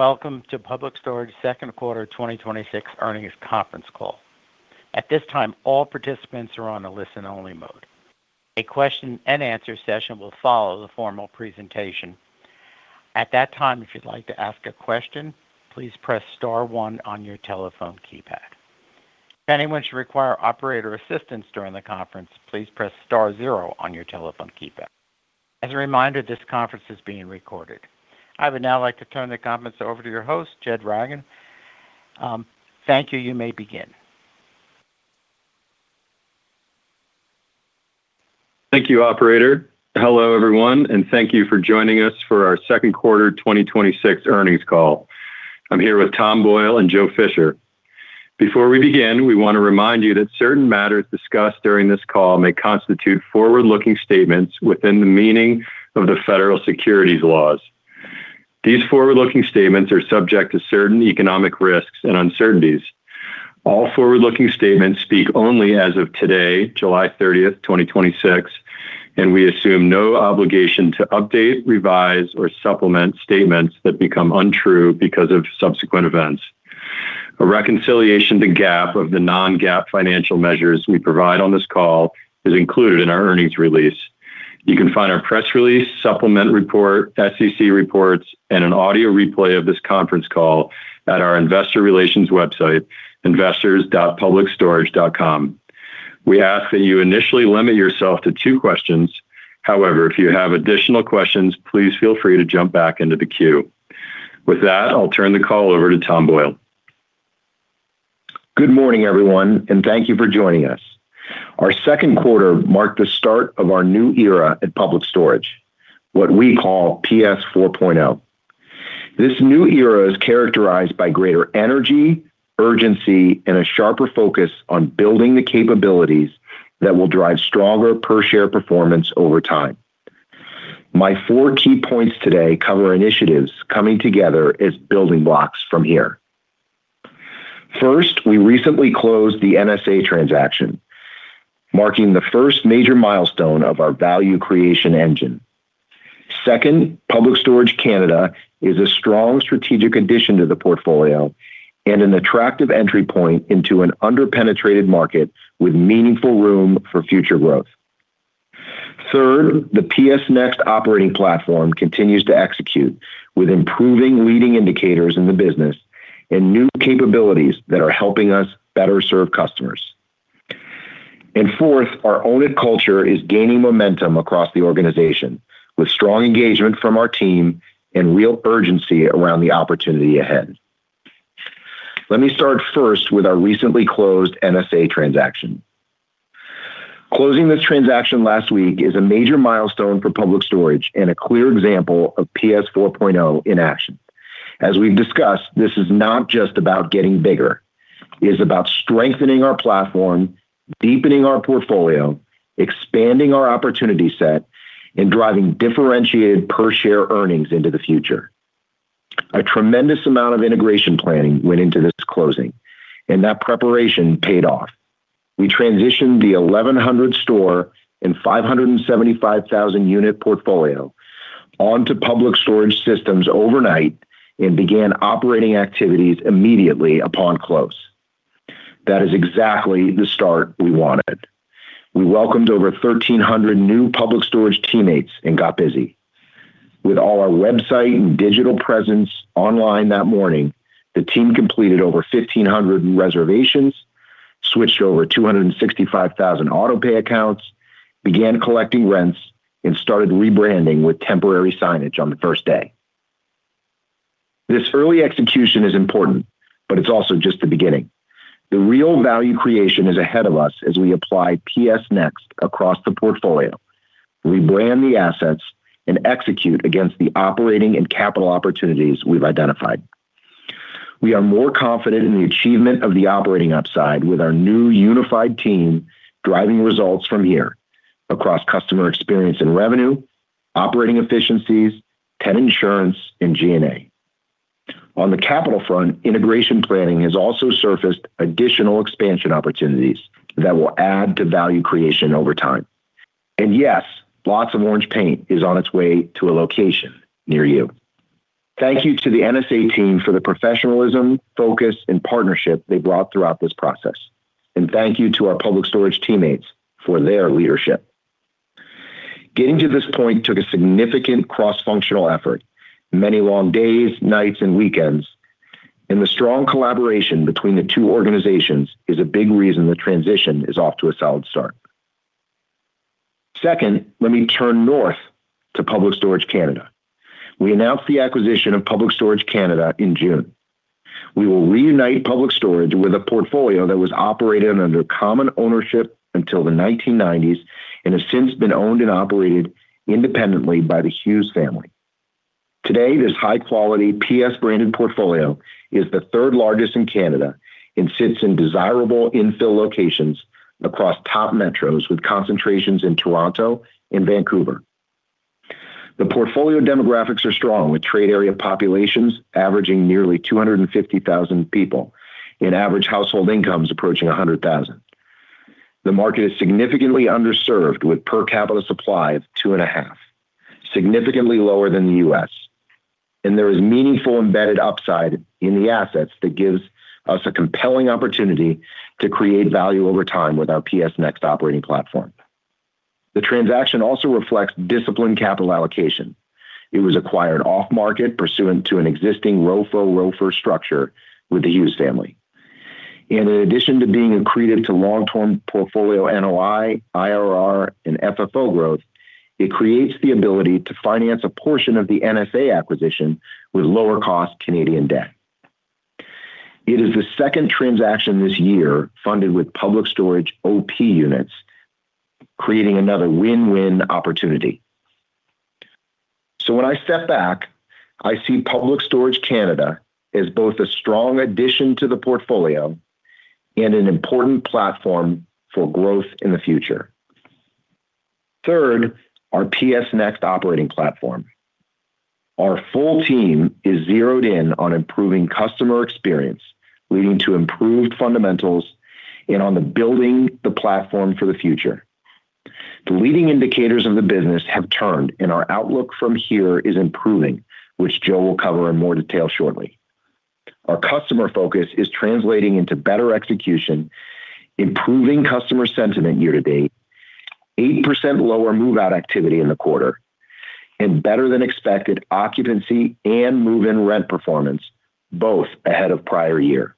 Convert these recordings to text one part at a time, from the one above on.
Welcome to Public Storage second quarter 2026 earnings conference call. At this time, all participants are on a listen-only mode. A question and answer session will follow the formal presentation. At that time, if you'd like to ask a question, please press star one on your telephone keypad. If anyone should require operator assistance during the conference, please press star zero on your telephone keypad. As a reminder, this conference is being recorded. I would now like to turn the conference over to your host, Brandon Reagan. Thank you. You may begin. Thank you, operator. Hello, everyone. Thank you for joining us for our second quarter 2026 earnings call. I'm here with Tom Boyle and Joe Fisher. Before we begin, we want to remind you that certain matters discussed during this call may constitute forward-looking statements within the meaning of the federal securities laws. These forward-looking statements are subject to certain economic risks and uncertainties. All forward-looking statements speak only as of today, July 30th, 2026, and we assume no obligation to update, revise, or supplement statements that become untrue because of subsequent events. A reconciliation to GAAP of the non-GAAP financial measures we provide on this call is included in our earnings release. You can find our press release, supplement report, SEC reports, and an audio replay of this conference call at our investor relations website, investors.publicstorage.com. We ask that you initially limit yourself to two questions. If you have additional questions, please feel free to jump back into the queue. With that, I'll turn the call over to Tom Boyle. Good morning, everyone. Thank you for joining us. Our second quarter marked the start of our new era at Public Storage, what we call PS 4.0. This new era is characterized by greater energy, urgency, and a sharper focus on building the capabilities that will drive stronger per-share performance over time. My four key points today cover initiatives coming together as building blocks from here. First, we recently closed the NSA transaction, marking the first major milestone of our value creation engine. Second, Public Storage Canada is a strong strategic addition to the portfolio and an attractive entry point into an under-penetrated market with meaningful room for future growth. Third, the PS Next operating platform continues to execute with improving leading indicators in the business and new capabilities that are helping us better serve customers. Fourth, our Own It culture is gaining momentum across the organization, with strong engagement from our team and real urgency around the opportunity ahead. Let me start first with our recently closed NSA transaction. Closing this transaction last week is a major milestone for Public Storage and a clear example of PS 4.0 in action. As we've discussed, this is not just about getting bigger. It is about strengthening our platform, deepening our portfolio, expanding our opportunity set, and driving differentiated per-share earnings into the future. A tremendous amount of integration planning went into this closing, and that preparation paid off. We transitioned the 1,100 store and 575,000 unit portfolio onto Public Storage systems overnight and began operating activities immediately upon close. That is exactly the start we wanted. We welcomed over 1,300 new Public Storage teammates and got busy. With all our website and digital presence online that morning, the team completed over 1,500 reservations, switched over 265,000 auto-pay accounts, began collecting rents, and started rebranding with temporary signage on the first day. This early execution is important, but it's also just the beginning. The real value creation is ahead of us as we apply PS Next across the portfolio, rebrand the assets, and execute against the operating and capital opportunities we've identified. We are more confident in the achievement of the operating upside with our new unified team driving results from here across customer experience and revenue, operating efficiencies, tenant insurance, and G&A. On the capital front, integration planning has also surfaced additional expansion opportunities that will add to value creation over time. Yes, lots of orange paint is on its way to a location near you. Thank you to the NSA team for the professionalism, focus, and partnership they brought throughout this process. Thank you to our Public Storage teammates for their leadership. Getting to this point took a significant cross-functional effort, many long days, nights, and weekends, and the strong collaboration between the two organizations is a big reason the transition is off to a solid start. Second, let me turn north to Public Storage Canada. We announced the acquisition of Public Storage Canada in June. We will reunite Public Storage with a portfolio that was operated under common ownership until the 1990s and has since been owned and operated independently by the Hughes family. Today, this high-quality PS-branded portfolio is the third largest in Canada and sits in desirable infill locations across top metros with concentrations in Toronto and Vancouver. The portfolio demographics are strong, with trade area populations averaging nearly 250,000 people and average household incomes approaching 100,000. The market is significantly underserved with per capita supply of two and a half, significantly lower than the U.S. There is meaningful embedded upside in the assets that gives us a compelling opportunity to create value over time with our PS Next operating platform. The transaction also reflects disciplined capital allocation. It was acquired off-market pursuant to an existing ROFO/ROFR structure with the Hughes family. In addition to being accretive to long-term portfolio NOI, IRR, and FFO growth, it creates the ability to finance a portion of the NSA acquisition with lower cost Canadian debt. It is the second transaction this year funded with Public Storage OP units, creating another win-win opportunity. When I step back, I see Public Storage Canada as both a strong addition to the portfolio and an important platform for growth in the future. Third, our PS Next operating platform. Our full team is zeroed in on improving customer experience, leading to improved fundamentals and on the building the platform for the future. The leading indicators of the business have turned, and our outlook from here is improving, which Joe will cover in more detail shortly. Our customer focus is translating into better execution, improving customer sentiment year to date, 8% lower move-out activity in the quarter, and better than expected occupancy and move-in rent performance, both ahead of prior year.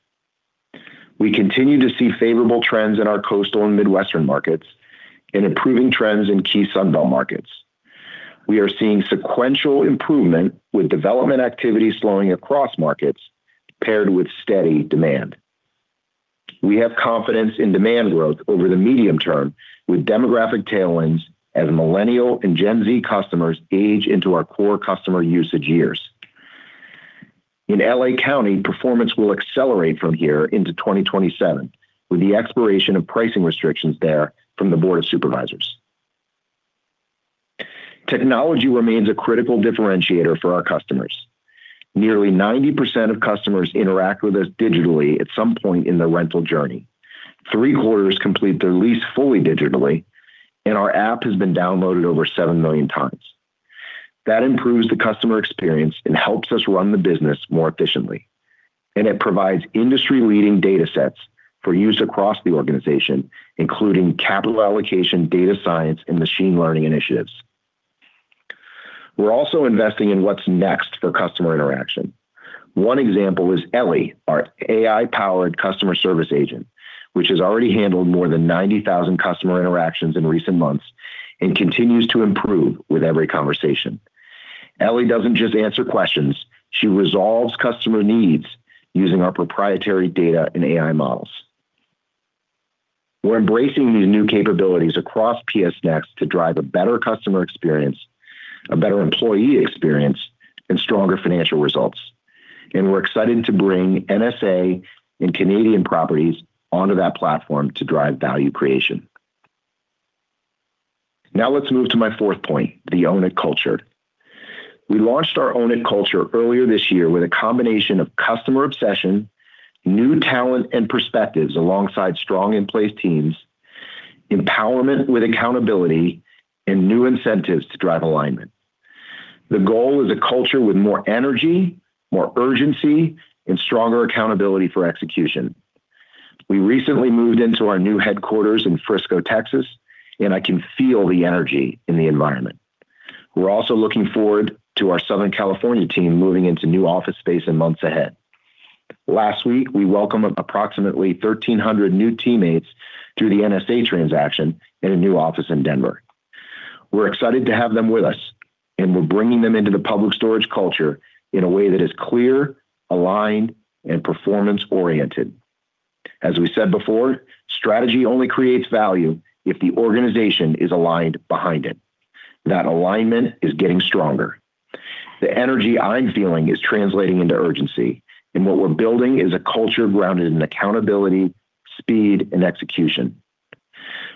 We continue to see favorable trends in our coastal and Midwestern markets and improving trends in key Sun Belt markets. We are seeing sequential improvement with development activity slowing across markets paired with steady demand. We have confidence in demand growth over the medium term with demographic tailwinds as millennial and Gen Z customers age into our core customer usage years. In L.A. County, performance will accelerate from here into 2027 with the expiration of pricing restrictions there from the Board of Supervisors. Technology remains a critical differentiator for our customers. Nearly 90% of customers interact with us digitally at some point in their rental journey. Three-quarters complete their lease fully digitally, and our app has been downloaded over 7 million times. That improves the customer experience and helps us run the business more efficiently, and it provides industry-leading data sets for use across the organization, including capital allocation, data science, and machine learning initiatives. We're also investing in what's next for customer interaction. One example is Ellie, our AI-powered customer service agent, which has already handled more than 90,000 customer interactions in recent months and continues to improve with every conversation. Ellie doesn't just answer questions, she resolves customer needs using our proprietary data and AI models. We're embracing these new capabilities across PS Next to drive a better customer experience, a better employee experience, and stronger financial results. We're excited to bring NSA and Canadian properties onto that platform to drive value creation. Now let's move to my fourth point, the OWN IT culture. We launched our OWN IT culture earlier this year with a combination of customer obsession, new talent and perspectives alongside strong in-place teams, empowerment with accountability, and new incentives to drive alignment. The goal is a culture with more energy, more urgency, and stronger accountability for execution. We recently moved into our new headquarters in Frisco, Texas, and I can feel the energy in the environment. We're also looking forward to our Southern California team moving into new office space in months ahead. Last week, we welcomed approximately 1,300 new teammates through the NSA transaction in a new office in Denver. We're excited to have them with us. We're bringing them into the Public Storage culture in a way that is clear, aligned, and performance-oriented. As we said before, strategy only creates value if the organization is aligned behind it. That alignment is getting stronger. The energy I'm feeling is translating into urgency. What we're building is a culture grounded in accountability, speed, and execution.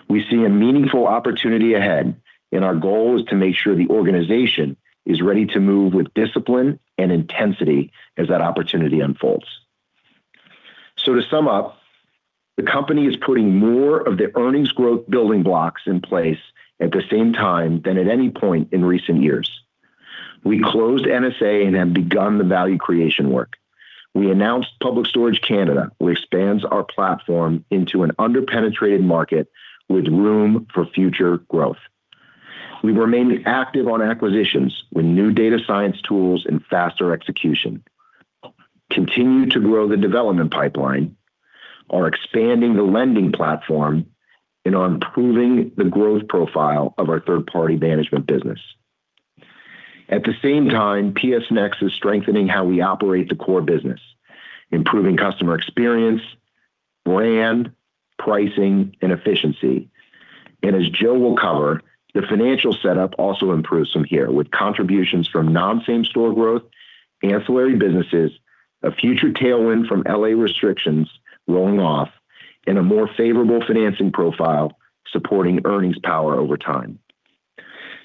We see a meaningful opportunity ahead. Our goal is to make sure the organization is ready to move with discipline and intensity as that opportunity unfolds. To sum up, the company is putting more of the earnings growth building blocks in place at the same time than at any point in recent years. We closed NSA and have begun the value creation work. We announced Public Storage Canada, which expands our platform into an under-penetrated market with room for future growth. We remain active on acquisitions with new data science tools and faster execution, continue to grow the development pipeline, are expanding the lending platform, and are improving the growth profile of our third-party management business. At the same time, PS Next is strengthening how we operate the core business, improving customer experience, brand, pricing, and efficiency. As Joe will cover, the financial setup also improves from here with contributions from non-same store growth, ancillary businesses, a future tailwind from L.A. restrictions rolling off, and a more favorable financing profile supporting earnings power over time.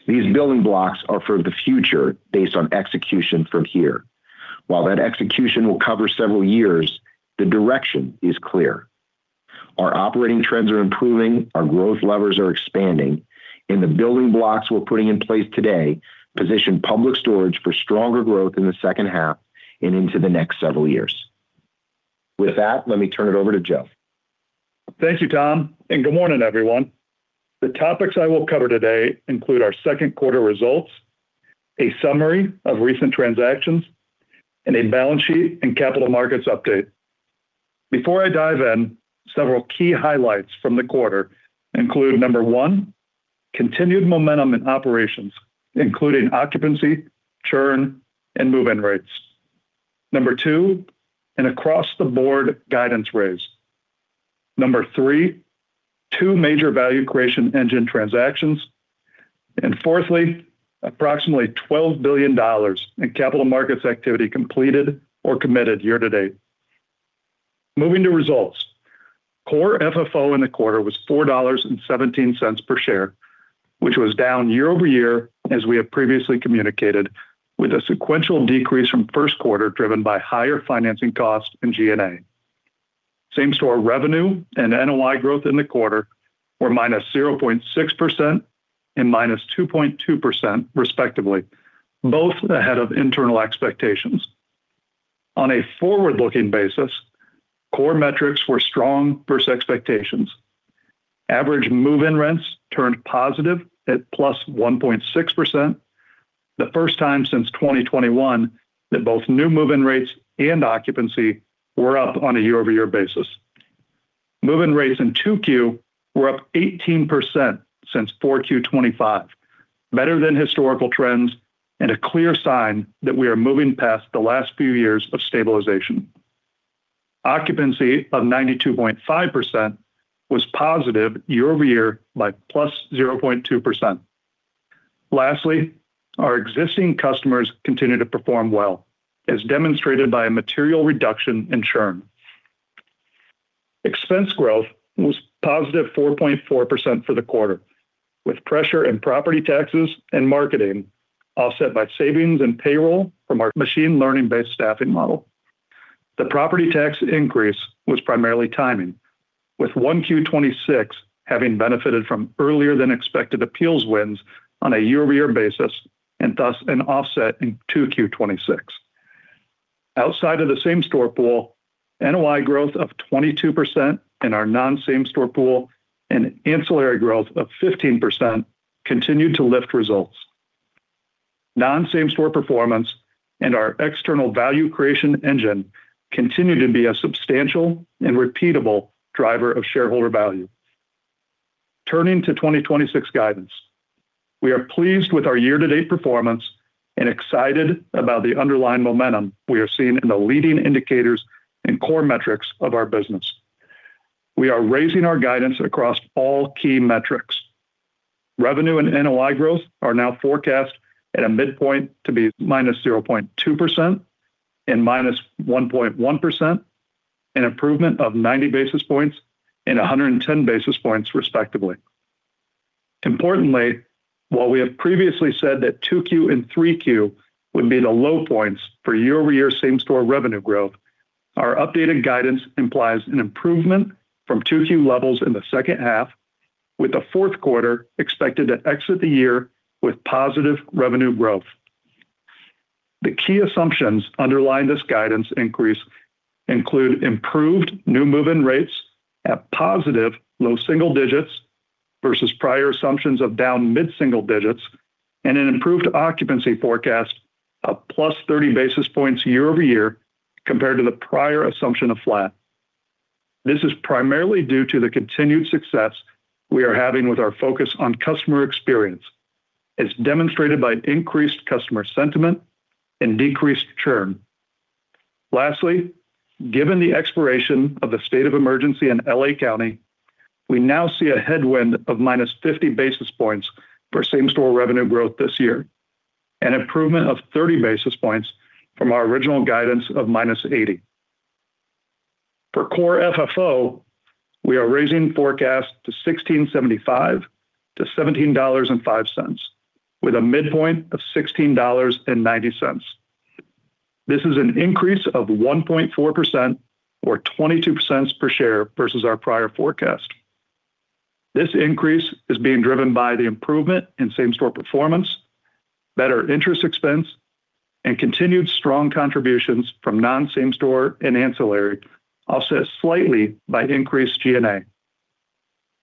These building blocks are for the future based on execution from here. That execution will cover several years, the direction is clear. Our operating trends are improving, our growth levers are expanding, and the building blocks we're putting in place today position Public Storage for stronger growth in the second half and into the next several years. With that, let me turn it over to Joe. Thank you, Tom, good morning, everyone. The topics I will cover today include our second quarter results, a summary of recent transactions, a balance sheet and capital markets update. Before I dive in, several key highlights from the quarter include, number one, continued momentum in operations, including occupancy, churn, and move-in rates. Number two, an across-the-board guidance raise. Number three, two major value creation engine transactions. Fourthly, approximately $12 billion in capital markets activity completed or committed year to date. Moving to results. Core FFO in the quarter was $4.17 per share, which was down year-over-year, as we have previously communicated, with a sequential decrease from first quarter driven by higher financing costs and G&A. Same-store revenue and NOI growth in the quarter were -0.6% and -2.2% respectively, both ahead of internal expectations. On a forward-looking basis, core metrics were strong versus expectations. Average move-in rents turned positive at +1.6%, the first time since 2021 that both new move-in rates and occupancy were up on a year-over-year basis. Move-in rates in 2Q were up 18% since 4Q 2025, better than historical trends and a clear sign that we are moving past the last few years of stabilization. Occupancy of 92.5% was positive year-over-year by +0.2%. Lastly, our existing customers continue to perform well, as demonstrated by a material reduction in churn. Expense growth was positive 4.4% for the quarter, with pressure in property taxes and marketing offset by savings and payroll from our machine learning-based staffing model. The property tax increase was primarily timing, with 1Q 2026 having benefited from earlier than expected appeals wins on a year-over-year basis, thus an offset in 2Q 2026. Outside of the same-store pool, NOI growth of 22% in our non-same store pool and ancillary growth of 15% continued to lift results. Non-same store performance and our external value creation engine continue to be a substantial and repeatable driver of shareholder value. Turning to 2026 guidance. We are pleased with our year-to-date performance and excited about the underlying momentum we are seeing in the leading indicators and core metrics of our business. We are raising our guidance across all key metrics. Revenue and NOI growth are now forecast at a midpoint to be -0.2% and -1.1%, an improvement of 90 basis points and 110 basis points respectively. Importantly, while we have previously said that 2Q and 3Q would be the low points for year-over-year same-store revenue growth, our updated guidance implies an improvement from 2Q levels in the second half with the fourth quarter expected to exit the year with positive revenue growth. The key assumptions underlying this guidance increase include improved new move-in rates at positive low double digits versus prior assumptions of down mid-single digits, and an improved occupancy forecast of +30 basis points year-over-year compared to the prior assumption of flat. This is primarily due to the continued success we are having with our focus on customer experience. It's demonstrated by increased customer sentiment and decreased churn. Lastly, given the expiration of the state of emergency in L.A. County, we now see a headwind of -50 basis points for same-store revenue growth this year, an improvement of 30 basis points from our original guidance of -80. For Core FFO, we are raising forecasts to $16.75-$17.05, with a midpoint of $16.90. This is an increase of 1.4% or $0.22 per share versus our prior forecast. This increase is being driven by the improvement in same-store performance, better interest expense, and continued strong contributions from non-same store and ancillary, offset slightly by increased G&A.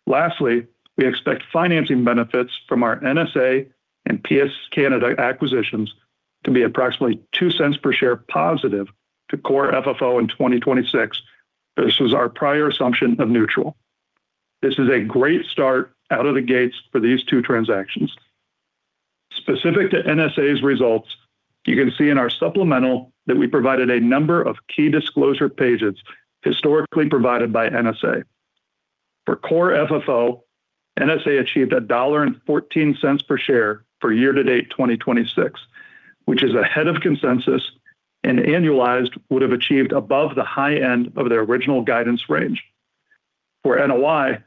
Lastly, we expect financing benefits from our NSA and PS Canada acquisitions to be approximately $0.02 per share positive to Core FFO in 2026 versus our prior assumption of neutral. This is a great start out of the gates for these two transactions. Specific to NSA's results, you can see in our supplemental that we provided a number of key disclosure pages historically provided by NSA. For Core FFO, NSA achieved $1.14 per share for year-to-date 2026, which is ahead of consensus and annualized would have achieved above the high end of their original guidance range. For NOI,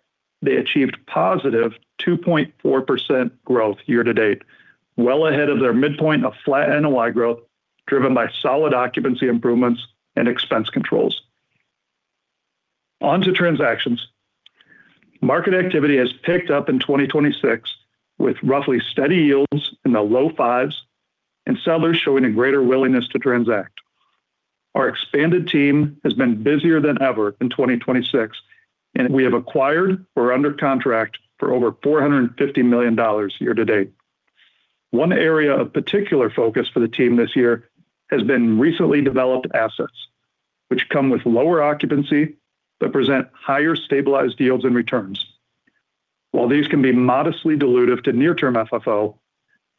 they achieved positive 2.4% growth year-to-date, well ahead of their midpoint of flat NOI growth, driven by solid occupancy improvements and expense controls. On to transactions. Market activity has picked up in 2026 with roughly steady yields in the low fives and sellers showing a greater willingness to transact. Our expanded team has been busier than ever in 2026, and we have acquired or are under contract for over $450 million year-to-date. One area of particular focus for the team this year has been recently developed assets, which come with lower occupancy but present higher stabilized yields and returns. While these can be modestly dilutive to near-term FFO,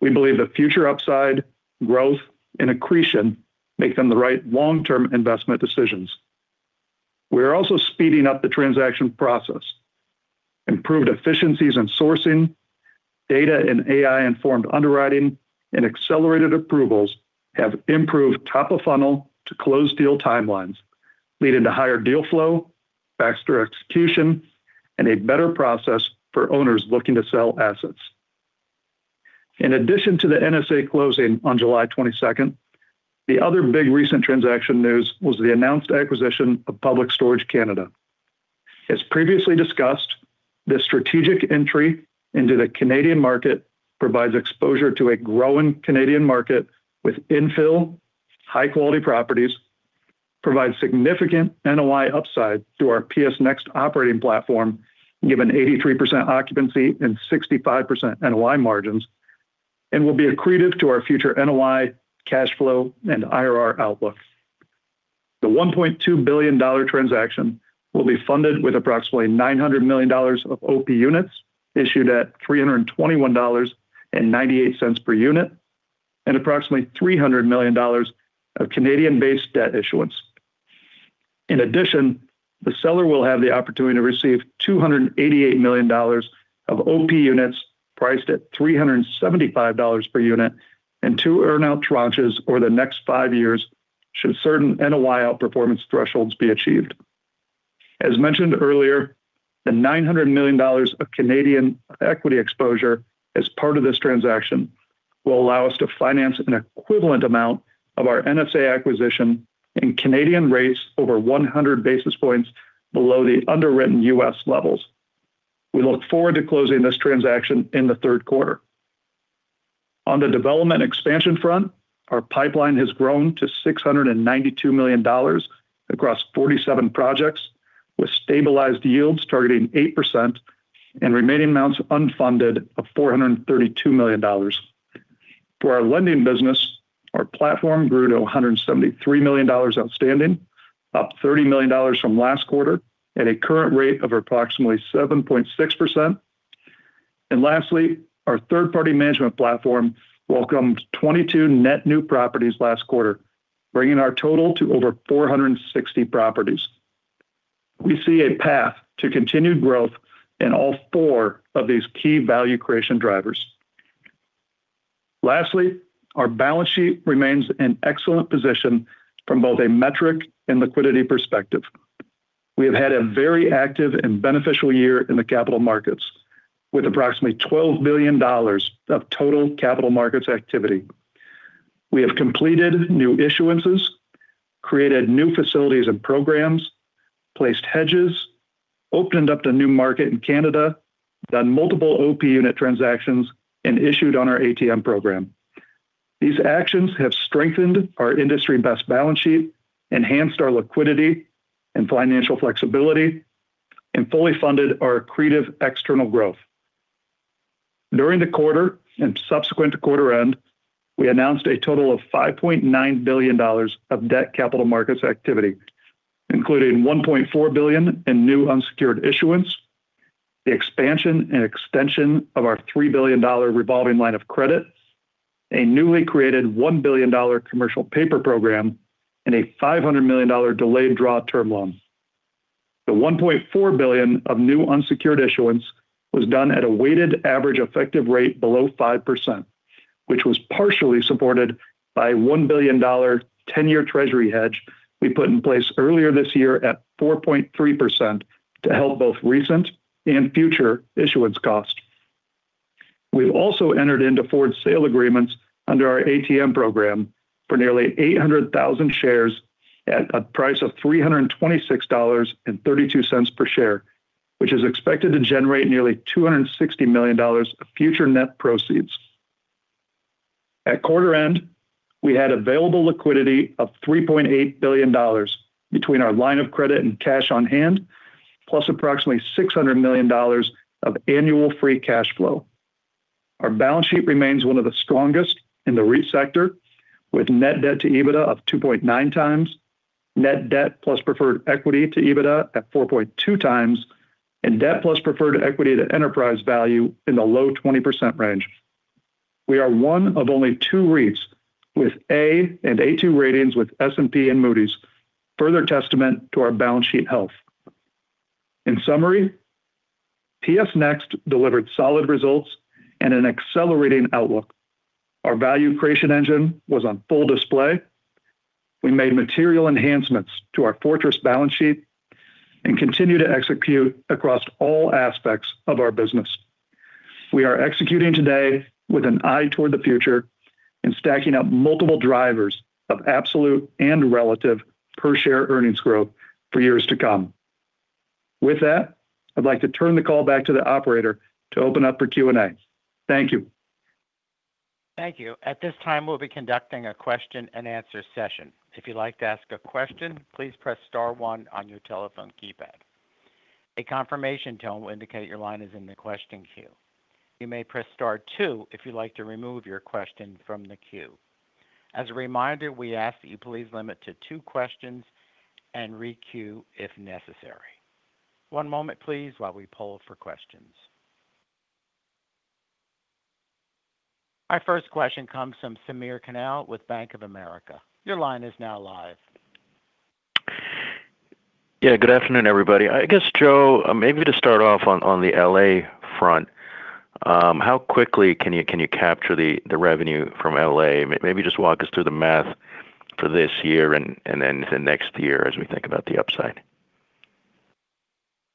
we believe the future upside growth and accretion make them the right long-term investment decisions. Improved efficiencies in sourcing, data and AI-informed underwriting, and accelerated approvals have improved top-of-funnel to close deal timelines, leading to higher deal flow, faster execution, and a better process for owners looking to sell assets. In addition to the NSA closing on July 22nd, the other big recent transaction news was the announced acquisition of Public Storage Canada. As previously discussed, this strategic entry into the Canadian market provides exposure to a growing Canadian market with infill, high-quality properties, provides significant NOI upside to our PS Next operating platform, given 83% occupancy and 65% NOI margins, and will be accretive to our future NOI cash flow and IRR outlook. The $1.2 billion transaction will be funded with approximately $900 million of OP units issued at $321.98 per unit, and approximately $300 million of Canadian-based debt issuance. In addition, the seller will have the opportunity to receive $288 million of OP units priced at $375 per unit and two earn-out tranches over the next five years should certain NOI outperformance thresholds be achieved. As mentioned earlier, the $900 million of Canadian equity exposure as part of this transaction will allow us to finance an equivalent amount of our NSA acquisition and Canadian rates over 100 basis points below the underwritten U.S. levels. We look forward to closing this transaction in the third quarter. On the development expansion front, our pipeline has grown to $692 million across 47 projects, with stabilized yields targeting 8% and remaining amounts unfunded of $432 million. For our lending business, our platform grew to $173 million outstanding, up $30 million from last quarter, at a current rate of approximately 7.6%. Lastly, our third-party management platform welcomed 22 net new properties last quarter, bringing our total to over 460 properties. We see a path to continued growth in all four of these key value creation drivers. Lastly, our balance sheet remains in excellent position from both a metric and liquidity perspective. We have had a very active and beneficial year in the capital markets, with approximately $12 billion of total capital markets activity. We have completed new issuances, created new facilities and programs, placed hedges, opened up the new market in Canada, done multiple OP unit transactions, and issued on our ATM program. These actions have strengthened our industry-best balance sheet, enhanced our liquidity and financial flexibility, and fully funded our accretive external growth. During the quarter and subsequent to quarter end, we announced a total of $5.9 billion of debt capital markets activity, including $1.4 billion in new unsecured issuance, the expansion and extension of our $3 billion revolving line of credit, a newly created $1 billion commercial paper program, and a $500 million delayed draw term loan. The $1.4 billion of new unsecured issuance was done at a weighted average effective rate below 5%, which was partially supported by a $1 billion 10-year Treasury hedge we put in place earlier this year at 4.3% to help both recent and future issuance costs. We've also entered into forward sale agreements under our ATM program for nearly 800,000 shares at a price of $326.32 per share, which is expected to generate nearly $260 million of future net proceeds. At quarter end, we had available liquidity of $3.8 billion between our line of credit and cash on hand, plus approximately $600 million of annual free cash flow. Our balance sheet remains one of the strongest in the REIT sector, with net debt to EBITDA of 2.9 times, net debt plus preferred equity to EBITDA at 4.2 times, and debt plus preferred equity to enterprise value in the low 20% range. We are one of only two REITs with A and A2 ratings with S&P and Moody's, further testament to our balance sheet health. In summary, PS Next delivered solid results and an accelerating outlook. Our value creation engine was on full display. We made material enhancements to our fortress balance sheet and continue to execute across all aspects of our business. We are executing today with an eye toward the future and stacking up multiple drivers of absolute and relative per-share earnings growth for years to come. With that, I'd like to turn the call back to the operator to open up for Q&A. Thank you. Thank you. At this time, we'll be conducting a question and answer session. If you'd like to ask a question, please press star one on your telephone keypad. A confirmation tone will indicate your line is in the question queue. You may press star two if you'd like to remove your question from the queue. As a reminder, we ask that you please limit to two questions and re-queue if necessary. One moment please while we poll for questions. Our first question comes from Samir Khanal with Bank of America. Your line is now live. Yeah. Good afternoon, everybody. I guess, Joe, maybe to start off on the L.A. front, how quickly can you capture the revenue from L.A.? Maybe just walk us through the math for this year and then the next year as we think about the upside.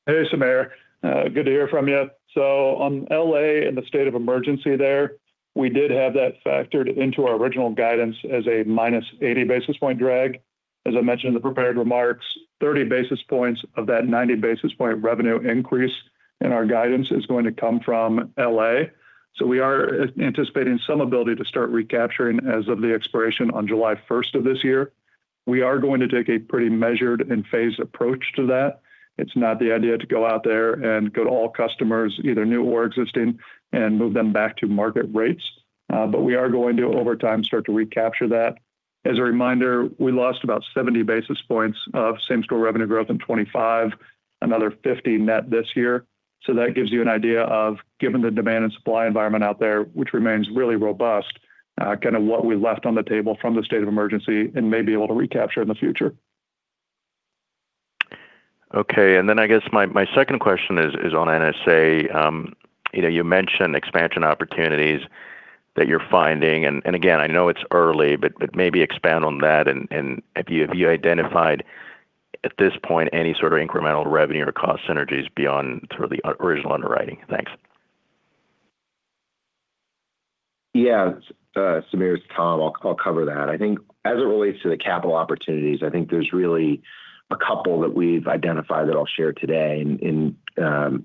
Hey, Samir. Good to hear from you. On L.A. and the state of emergency there, we did have that factored into our original guidance as a minus 80 basis point drag. As I mentioned in the prepared remarks, 30 basis points of that 90 basis point revenue increase in our guidance is going to come from L.A. We are anticipating some ability to start recapturing as of the expiration on July 1st of this year. We are going to take a pretty measured and phased approach to that. It's not the idea to go out there and go to all customers, either new or existing, and move them back to market rates. We are going to, over time, start to recapture that. As a reminder, we lost about 70 basis points of same-store revenue growth in 2025, another 50 net this year. That gives you an idea of, given the demand and supply environment out there, which remains really robust, kind of what we left on the table from the state of emergency and may be able to recapture in the future. Okay. I guess my second question is on NSA. You mentioned expansion opportunities that you're finding. Again, I know it's early, but maybe expand on that and have you identified, at this point, any sort of incremental revenue or cost synergies beyond sort of the original underwriting? Thanks. Yeah. Samir, it's Tom. I'll cover that. As it relates to the capital opportunities, I think there's really a couple that we've identified that I'll share today in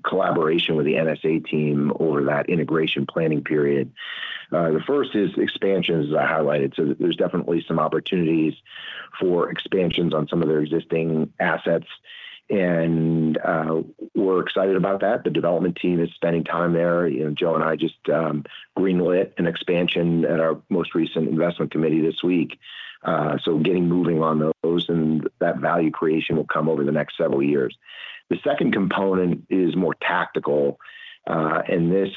collaboration with the NSA team over that integration planning period. The first is expansions, as I highlighted. There's definitely some opportunities for expansions on some of their existing assets, and we're excited about that. The development team is spending time there. Joe and I just green-lit an expansion at our most recent investment committee this week. Getting moving on those, and that value creation will come over the next several years. The second component is more tactical, and this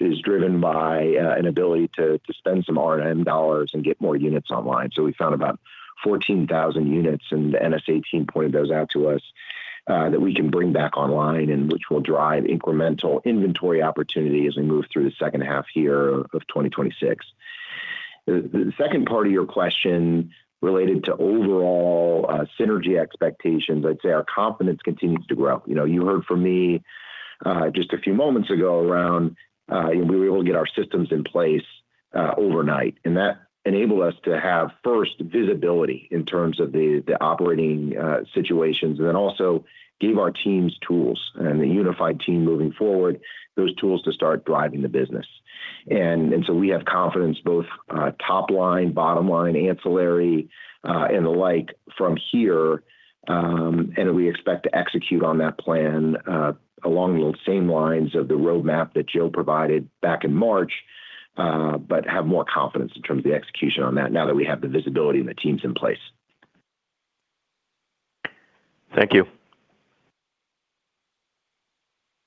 is driven by an ability to spend some R&M dollars and get more units online. We found about 14,000 units, and the NSA team pointed those out to us, that we can bring back online and which will drive incremental inventory opportunity as we move through the second half year of 2026. The second part of your question related to overall synergy expectations. I'd say our confidence continues to grow. You heard from me just a few moments ago around being able to get our systems in place overnight, and that enabled us to have, first, visibility in terms of the operating situations, and then also gave our teams tools, and the unified team moving forward, those tools to start driving the business. We have confidence both top line, bottom line, ancillary, and the like from here. We expect to execute on that plan along those same lines of the roadmap that Joe provided back in March, but have more confidence in terms of the execution on that now that we have the visibility and the teams in place. Thank you.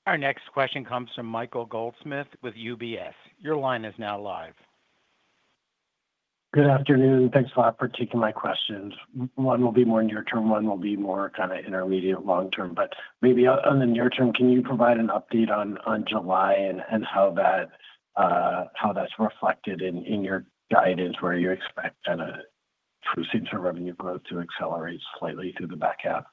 Our next question comes from Michael Goldsmith with UBS. Your line is now live. Good afternoon. Thanks a lot for taking my questions. One will be more near term, one will be more kind of intermediate long term. Maybe on the near term, can you provide an update on July and how that's reflected in your guidance where you expect kind of true center revenue growth to accelerate slightly through the back half?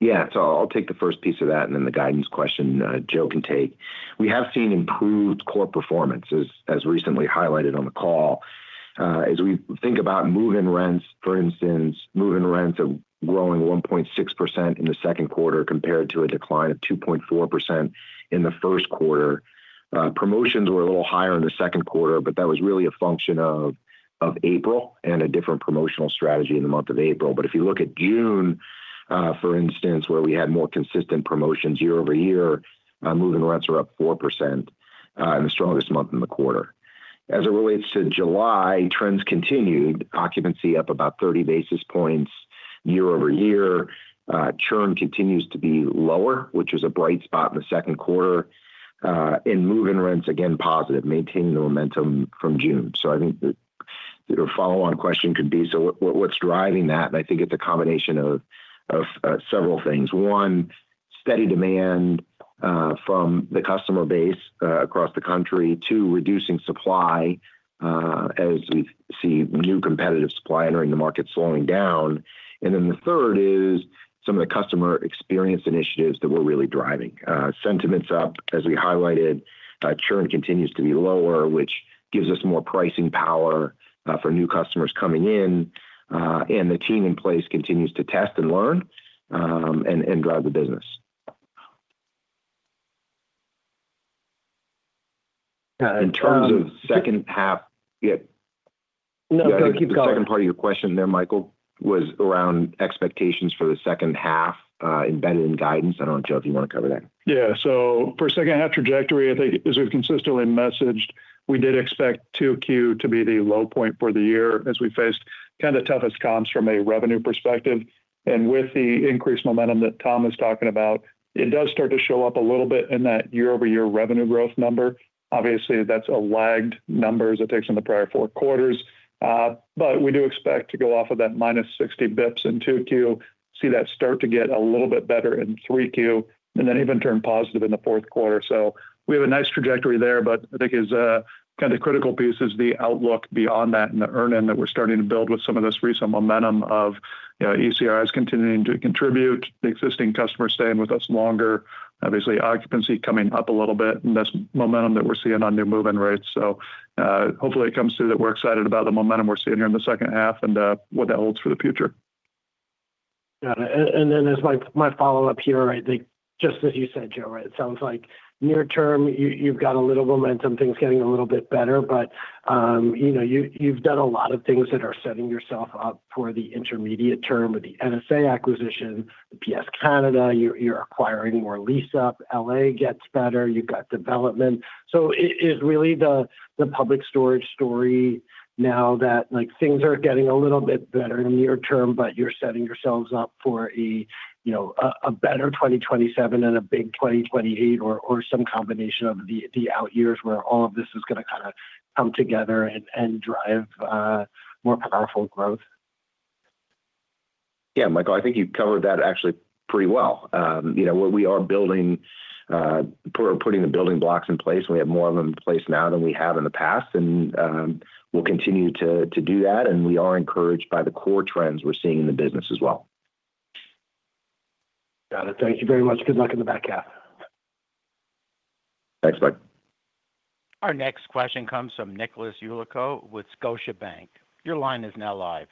Yeah. I'll take the first piece of that, and then the guidance question Joe can take. We have seen improved core performance, as recently highlighted on the call. As we think about move-in rents, for instance, move-in rents are growing 1.6% in the second quarter compared to a decline of 2.4% in the first quarter. Promotions were a little higher in the second quarter, that was really a function of April and a different promotional strategy in the month of April. If you look at June, for instance, where we had more consistent promotions year-over-year, move-in rents are up 4% in the strongest month in the quarter. As it relates to July, trends continued. Occupancy up about 30 basis points year-over-year. Churn continues to be lower, which was a bright spot in the second quarter. Move-in rents, again positive, maintaining the momentum from June. I think that your follow-on question could be, what's driving that? I think it's a combination of several things. One, steady demand from the customer base across the country. Two, reducing supply as we see new competitive supply entering the market slowing down. The third is some of the customer experience initiatives that we're really driving. Sentiments up as we highlighted. Churn continues to be lower, which gives us more pricing power for new customers coming in. The team in place continues to test and learn, and drive the business. Got it. In terms of second half. Yeah. No, go. Keep going. The second part of your question there, Michael, was around expectations for the second half, embedded in guidance. I don't know, Joe, if you want to cover that. Yeah. For second half trajectory, I think as we've consistently messaged, we did expect 2Q to be the low point for the year as we faced kind of the toughest comps from a revenue perspective. With the increased momentum that Tom is talking about, it does start to show up a little bit in that year-over-year revenue growth number. Obviously, that's a lagged number as it takes in the prior four quarters. We do expect to go off of that minus 60 basis points in 2Q, see that start to get a little bit better in 3Q, and then even turn positive in the fourth quarter. We have a nice trajectory there, but I think kind of critical piece is the outlook beyond that and the earn in that we're starting to build with some of this recent momentum of ECRIs continuing to contribute, the existing customers staying with us longer. Obviously, occupancy coming up a little bit and this momentum that we're seeing on new move-in rates. Hopefully it comes through that we're excited about the momentum we're seeing here in the second half and what that holds for the future. Got it. As my follow-up here, I think just as you said, Joe, it sounds like near term, you've got a little momentum, things getting a little bit better. You've done a lot of things that are setting yourself up for the intermediate term with the NSA acquisition, the PS Canada, you're acquiring more lease up, L.A. gets better, you've got development. Is really the Public Storage story now that things are getting a little bit better in the near term, but you're setting yourselves up for a better 2027 and a big 2028 or some combination of the out years where all of this is going to kind of come together and drive more powerful growth? Michael, I think you've covered that actually pretty well. We are putting the building blocks in place, and we have more of them in place now than we have in the past. We'll continue to do that, and we are encouraged by the core trends we're seeing in the business as well. Got it. Thank you very much. Good luck in the back half. Thanks, Mike. Our next question comes from Nicholas Yulico with Scotiabank. Your line is now live.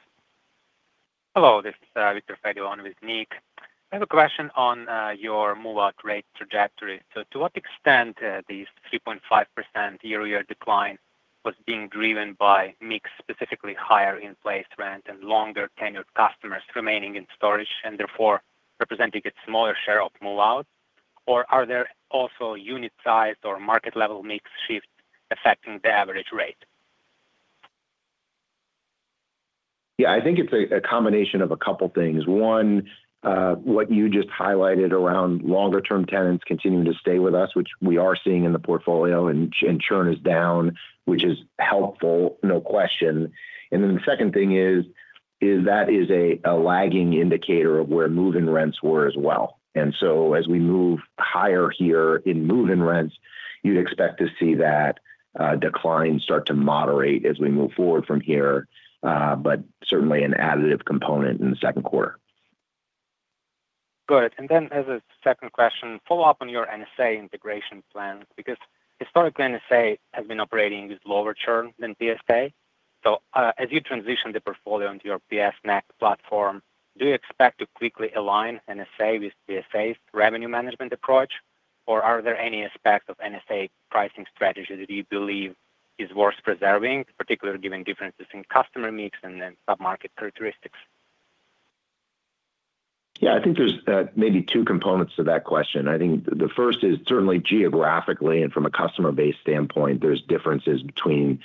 Hello, this is Viktor Fediv with Nick. I have a question on your move-out rate trajectory. To what extent are these 3.5% year-over-year decline was being driven by mix, specifically higher in-place rent and longer-tenured customers remaining in storage and therefore representing a smaller share of move-out? Or are there also unit size or market level mix shift affecting the average rate? Yeah. I think it's a combination of a couple things. One, what you just highlighted around longer-term tenants continuing to stay with us, which we are seeing in the portfolio, and churn is down, which is helpful, no question. The second thing is that is a lagging indicator of where move-in rents were as well. As we move higher here in move-in rents, you'd expect to see that decline start to moderate as we move forward from here. Certainly an additive component in the second quarter. Good. As a second question, follow up on your NSA integration plans, because historically, NSA has been operating with lower churn than PSA. As you transition the portfolio into your PS Next platform, do you expect to quickly align NSA with PSA's revenue management approach? Are there any aspects of NSA pricing strategy that you believe is worth preserving, particularly given differences in customer mix and submarket characteristics? Yeah, I think there's maybe two components to that question. I think the first is certainly geographically and from a customer base standpoint, there's differences between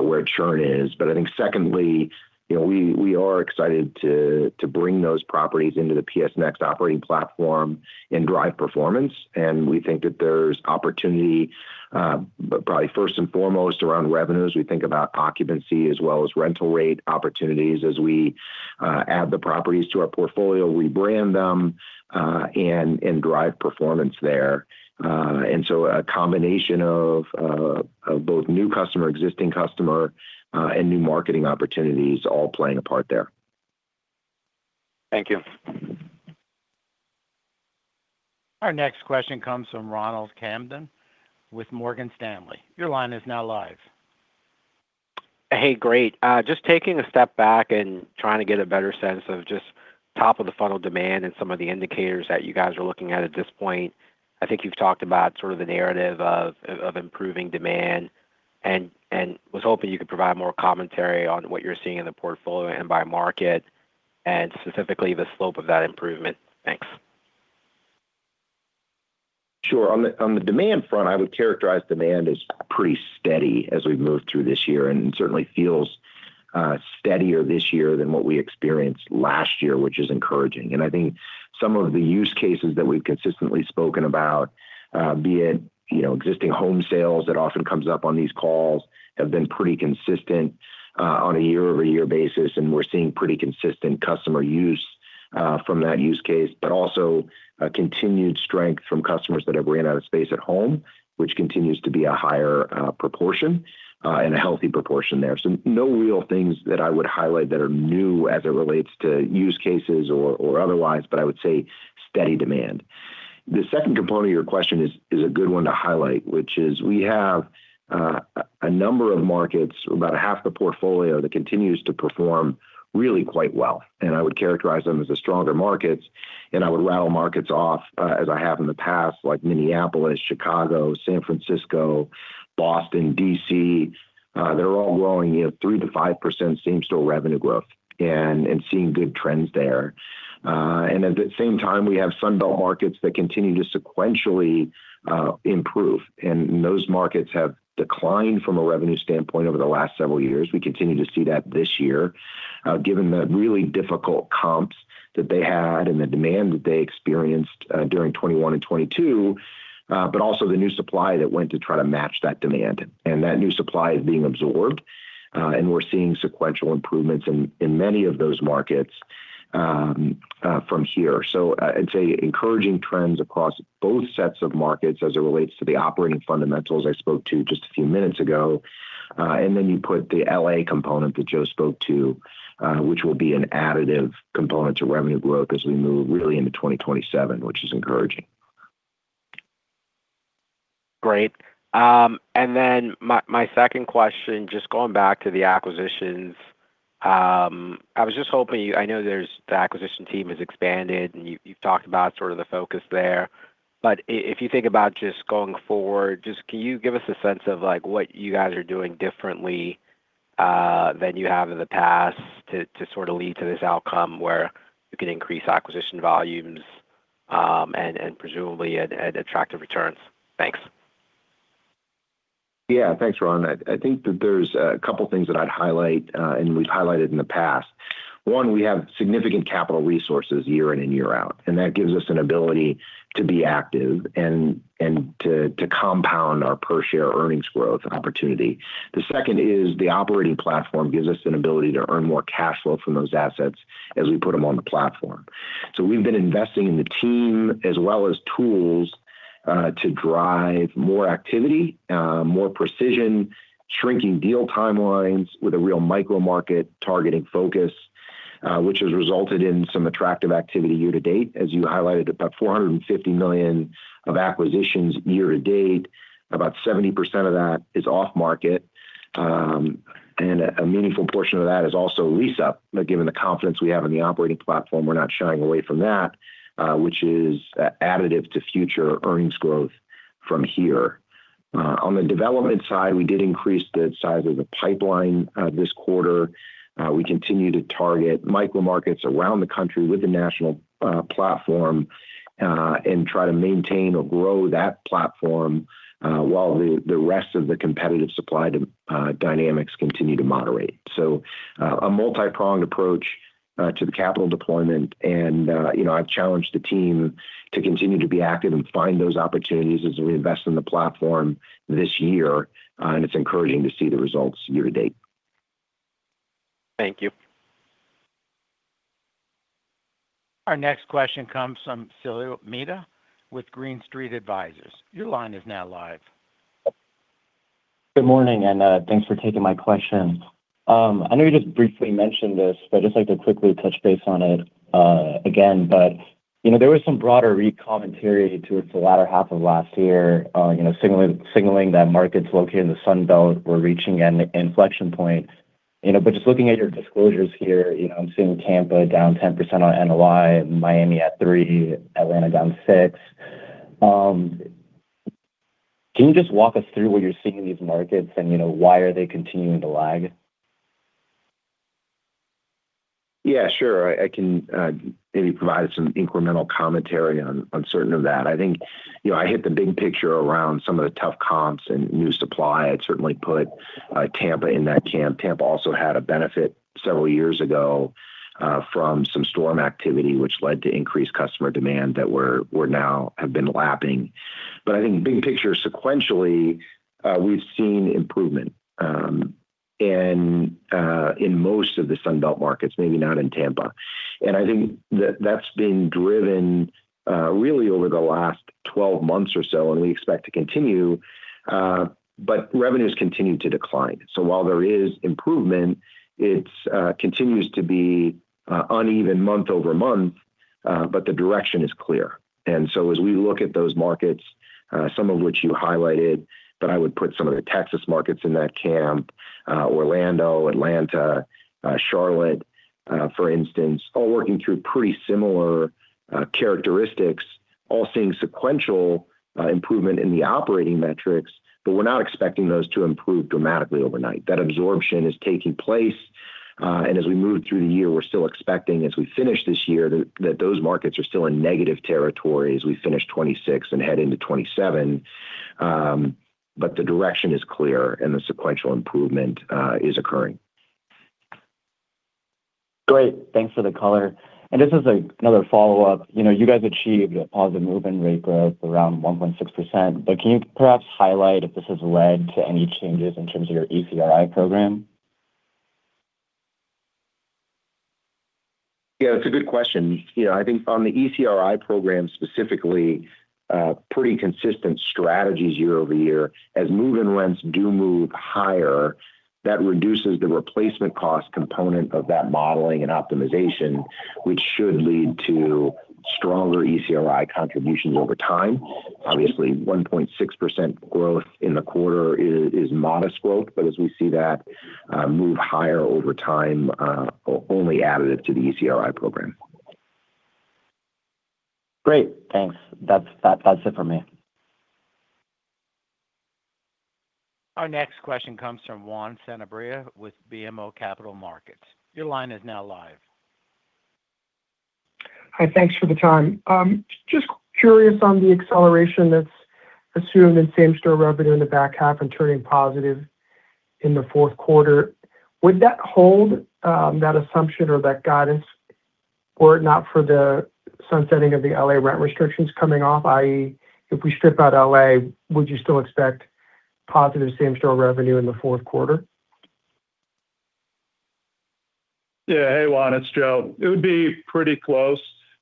where churn is. I think secondly, we are excited to bring those properties into the PS Next operating platform and drive performance. We think that there's opportunity, but probably first and foremost around revenues. We think about occupancy as well as rental rate opportunities as we add the properties to our portfolio, rebrand them, and drive performance there. A combination of both new customer, existing customer, and new marketing opportunities all playing a part there. Thank you. Our next question comes from Ronald Kamdem with Morgan Stanley. Your line is now live. Hey, great. Just taking a step back and trying to get a better sense of just top of the funnel demand and some of the indicators that you guys are looking at at this point. I think you've talked about sort of the narrative of improving demand and was hoping you could provide more commentary on what you're seeing in the portfolio and by market, and specifically the slope of that improvement. Thanks. Sure. On the demand front, I would characterize demand as pretty steady as we've moved through this year, and it certainly feels steadier this year than what we experienced last year, which is encouraging. I think some of the use cases that we've consistently spoken about, be it existing home sales that often comes up on these calls, have been pretty consistent on a year-over-year basis, and we're seeing pretty consistent customer use from that use case, but also a continued strength from customers that have ran out of space at home, which continues to be a higher proportion and a healthy proportion there. No real things that I would highlight that are new as it relates to use cases or otherwise, but I would say steady demand. The second component of your question is a good one to highlight, which is we have a number of markets, about a half the portfolio, that continues to perform really quite well, and I would characterize them as the stronger markets. I would rattle markets off as I have in the past, like Minneapolis, Chicago, San Francisco, Boston, D.C. They're all growing at 3%-5% same-store revenue growth and seeing good trends there. At the same time, we have Sun Belt markets that continue to sequentially improve. Those markets have declined from a revenue standpoint over the last several years. We continue to see that this year, given the really difficult comps that they had and the demand that they experienced during 2021 and 2022, also the new supply that went to try to match that demand. That new supply is being absorbed, and we're seeing sequential improvements in many of those markets from here. I'd say encouraging trends across both sets of markets as it relates to the operating fundamentals I spoke to just a few minutes ago. Then you put the L.A. component that Joe spoke to, which will be an additive component to revenue growth as we move really into 2027, which is encouraging. Great. My second question, just going back to the acquisitions. I was just hoping I know the acquisition team has expanded, and you've talked about the focus there. If you think about just going forward, just can you give us a sense of what you guys are doing differently than you have in the past to sort of lead to this outcome where you can increase acquisition volumes, and presumably at attractive returns? Thanks. Yeah. Thanks, Ron. I think that there's a couple things that I'd highlight, and we've highlighted in the past. One, we have significant capital resources year in and year out, and that gives us an ability to be active and to compound our per share earnings growth opportunity. The second is the operating platform gives us an ability to earn more cash flow from those assets as we put them on the platform. We've been investing in the team as well as tools to drive more activity, more precision, shrinking deal timelines with a real micro market targeting focus, which has resulted in some attractive activity year to date. As you highlighted, about $450 million of acquisitions year to date. About 70% of that is off market, and a meaningful portion of that is also lease up. Given the confidence we have in the operating platform, we're not shying away from that, which is additive to future earnings growth from here. On the development side, we did increase the size of the pipeline this quarter. We continue to target micro markets around the country with a national platform, and try to maintain or grow that platform while the rest of the competitive supply dynamics continue to moderate. A multi-pronged approach to the capital deployment. I've challenged the team to continue to be active and find those opportunities as we invest in the platform this year, and it's encouraging to see the results year to date. Thank you. Our next question comes from Silo Mida with Green Street Advisors. Your line is now live. Good morning, and thanks for taking my question. I know you just briefly mentioned this, just like to quickly touch base on it again. There was some broader re-commentary towards the latter half of last year, signaling that markets located in the Sun Belt were reaching an inflection point. Just looking at your disclosures here, I'm seeing Tampa down 10% on NOI, Miami at 3%, Atlanta down 6%. Can you just walk us through what you see in these markets, and why are they continuing to lag? Yeah, sure. I can maybe provide some incremental commentary on certain of that. I think I hit the big picture around some of the tough comps and new supply. I'd certainly put Tampa in that camp. Tampa also had a benefit several years ago from some storm activity, which led to increased customer demand that we're now have been lapping. I think big picture sequentially, we've seen improvement in most of the Sun Belt markets, maybe not in Tampa. I think that's been driven really over the last 12 months or so, and we expect to continue. Revenues continue to decline. While there is improvement, it continues to be uneven month-over-month, but the direction is clear. As we look at those markets, some of which you highlighted, but I would put some of the Texas markets in that camp. Orlando, Atlanta, Charlotte, for instance, all working through pretty similar characteristics, all seeing sequential improvement in the operating metrics. We're not expecting those to improve dramatically overnight. That absorption is taking place, and as we move through the year, we're still expecting as we finish this year, that those markets are still in negative territory as we finish 2026 and head into 2027. The direction is clear, and the sequential improvement is occurring. Thanks for the color. Just as another follow-up, you guys achieved a positive move-in rate growth around 1.6%, but can you perhaps highlight if this has led to any changes in terms of your ECRI program? Yeah, it's a good question. I think on the ECRI program specifically, pretty consistent strategies year-over-year. As move-in rents do move higher, that reduces the replacement cost component of that modeling and optimization, which should lead to stronger ECRI contributions over time. Obviously, 1.6% growth in the quarter is modest growth. As we see that move higher over time, only additive to the ECRI program. Great, thanks. That's it for me. Our next question comes from Juan Sanabria with BMO Capital Markets. Your line is now live. Hi, thanks for the time. Just curious on the acceleration that's assumed in same-store revenue in the back half and turning positive in the fourth quarter. Would that hold that assumption or that guidance were it not for the sunsetting of the L.A. rent restrictions coming off, i.e., if we strip out L.A., would you still expect positive same-store revenue in the fourth quarter? Yeah. Hey, Juan, it's Joe. It would be pretty close.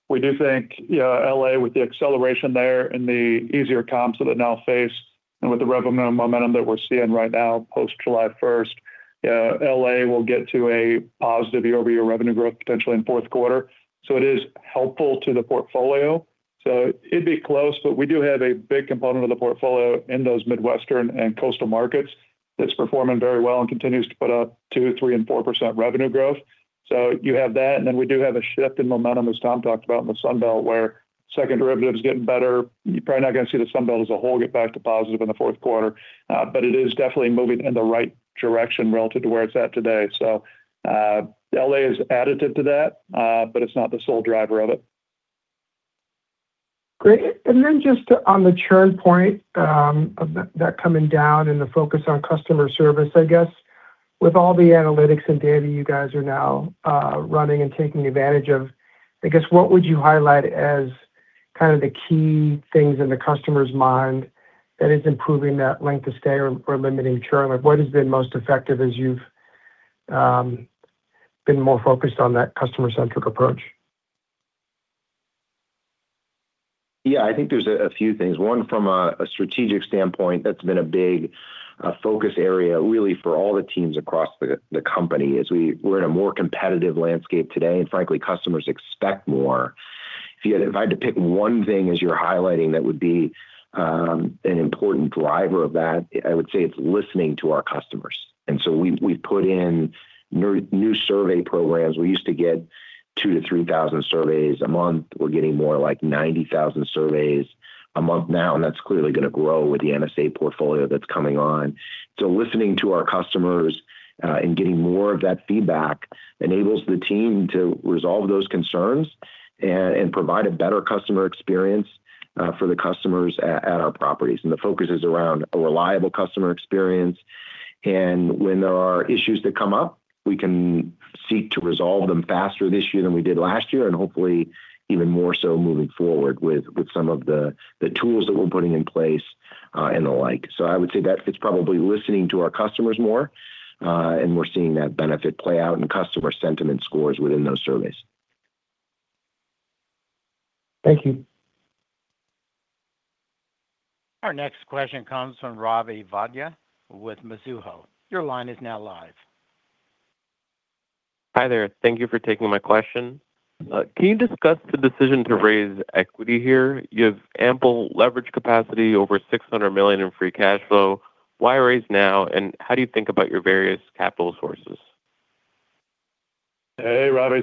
We do think, yeah, L.A., with the acceleration there and the easier comps that it now face, and with the revenue momentum that we're seeing right now post July 1st, L.A. will get to a positive year-over-year revenue growth potentially in fourth quarter. It is helpful to the portfolio. It'd be close, but we do have a big component of the portfolio in those Midwestern and coastal markets that's performing very well and continues to put up 2%, 3%, and 4% revenue growth. You have that, and then we do have a shift in momentum, as Tom talked about, in the Sun Belt, where second derivative's getting better. You're probably not going to see the Sun Belt as a whole get back to positive in the fourth quarter. It is definitely moving in the right direction relative to where it's at today. L.A. is additive to that, but it's not the sole driver of it. Great. Just on the churn point, of that coming down and the focus on customer service, I guess with all the analytics and data you guys are now running and taking advantage of, I guess, what would you highlight as kind of the key things in the customer's mind that is improving that length of stay or limiting churn? Like, what has been most effective as you've been more focused on that customer-centric approach? Yeah, I think there's a few things. One, from a strategic standpoint, that's been a big focus area really for all the teams across the company, as we're in a more competitive landscape today, and frankly, customers expect more. If I had to pick one thing as you're highlighting that would be an important driver of that, I would say it's listening to our customers. We've put in new survey programs. We used to get 2,000-3,000 surveys a month. We're getting more like 90,000 surveys a month now, and that's clearly going to grow with the NSA portfolio that's coming on. Listening to our customers and getting more of that feedback enables the team to resolve those concerns and provide a better customer experience for the customers at our properties. The focus is around a reliable customer experience. When there are issues that come up, we can seek to resolve them faster this year than we did last year, and hopefully even more so moving forward with some of the tools that we're putting in place and the like. I would say that it's probably listening to our customers more, and we're seeing that benefit play out in customer sentiment scores within those surveys. Thank you. Our next question comes from Ravi Vaidya with Mizuho. Your line is now live. Hi there. Thank you for taking my question. Can you discuss the decision to raise equity here? You have ample leverage capacity, over $600 million in free cash flow. Why raise now, how do you think about your various capital sources? Hey, Ravi.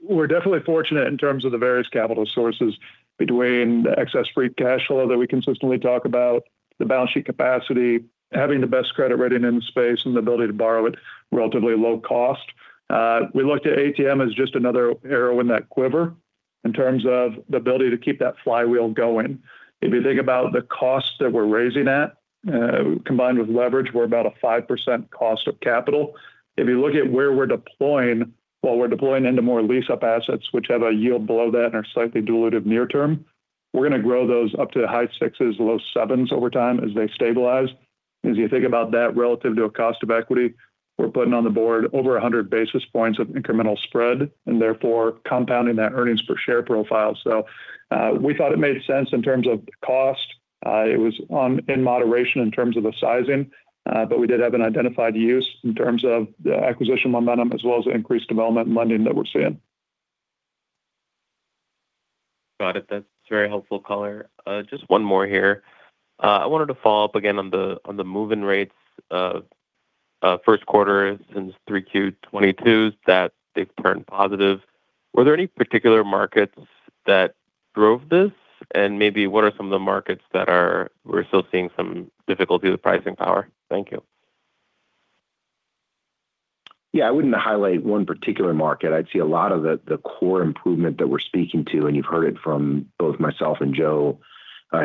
We're definitely fortunate in terms of the various capital sources between the excess free cash flow that we consistently talk about, the balance sheet capacity, having the best credit rating in the space, and the ability to borrow at relatively low cost. We looked at ATM as just another arrow in that quiver in terms of the ability to keep that flywheel going. If you think about the cost that we're raising at, combined with leverage, we're about a 5% cost of capital. If you look at where we're deploying, while we're deploying into more lease-up assets, which have a yield below that and are slightly dilutive near term, we're going to grow those up to the high sixes, low sevens over time as they stabilize. As you think about that relative to a cost of equity, we're putting on the board over 100 basis points of incremental spread, and therefore compounding that earnings per share profile. We thought it made sense in terms of cost. It was in moderation in terms of the sizing. We did have an identified use in terms of the acquisition momentum as well as the increased development and lending that we're seeing. Got it. That's very helpful color. Just one more here. I wanted to follow up again on the move-in rates. First quarter since 3Q22 that they've turned positive. Were there any particular markets that drove this? Maybe what are some of the markets that we're still seeing some difficulty with pricing power? Thank you. I wouldn't highlight one particular market. I'd see a lot of the core improvement that we're speaking to, and you've heard it from both myself and Joe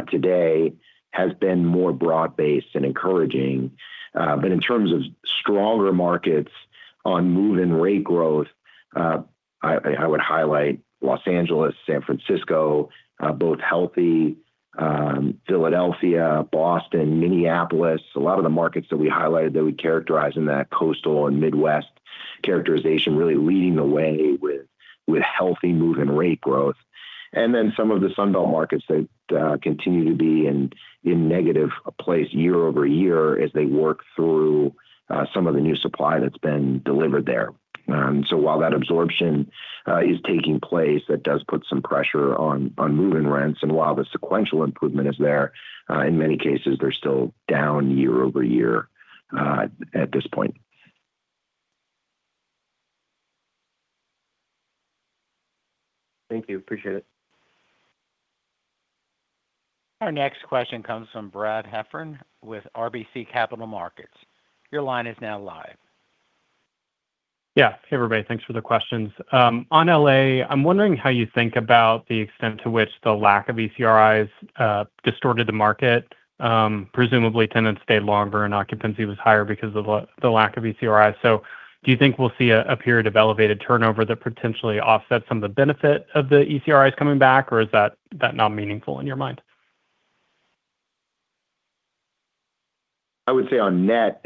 today, has been more broad-based and encouraging. In terms of stronger markets on move-in rate growth, I would highlight Los Angeles, San Francisco, both healthy. Philadelphia, Boston, Minneapolis. A lot of the markets that we highlighted that we characterize in that coastal and Midwest characterization, really leading the way with healthy move-in rate growth. Some of the Sun Belt markets that continue to be in negative place year-over-year as they work through some of the new supply that's been delivered there. While that absorption is taking place, that does put some pressure on move-in rents. While the sequential improvement is there, in many cases, they're still down year-over-year at this point. Thank you. Appreciate it. Our next question comes from Brad Heffern with RBC Capital Markets. Your line is now live. Yeah. Hey, everybody. Thanks for the questions. On L.A., I'm wondering how you think about the extent to which the lack of ECRIs distorted the market. Presumably, tenants stayed longer, and occupancy was higher because of the lack of ECRIs. Do you think we'll see a period of elevated turnover that potentially offsets some of the benefit of the ECRIs coming back, or is that not meaningful in your mind? I would say on net,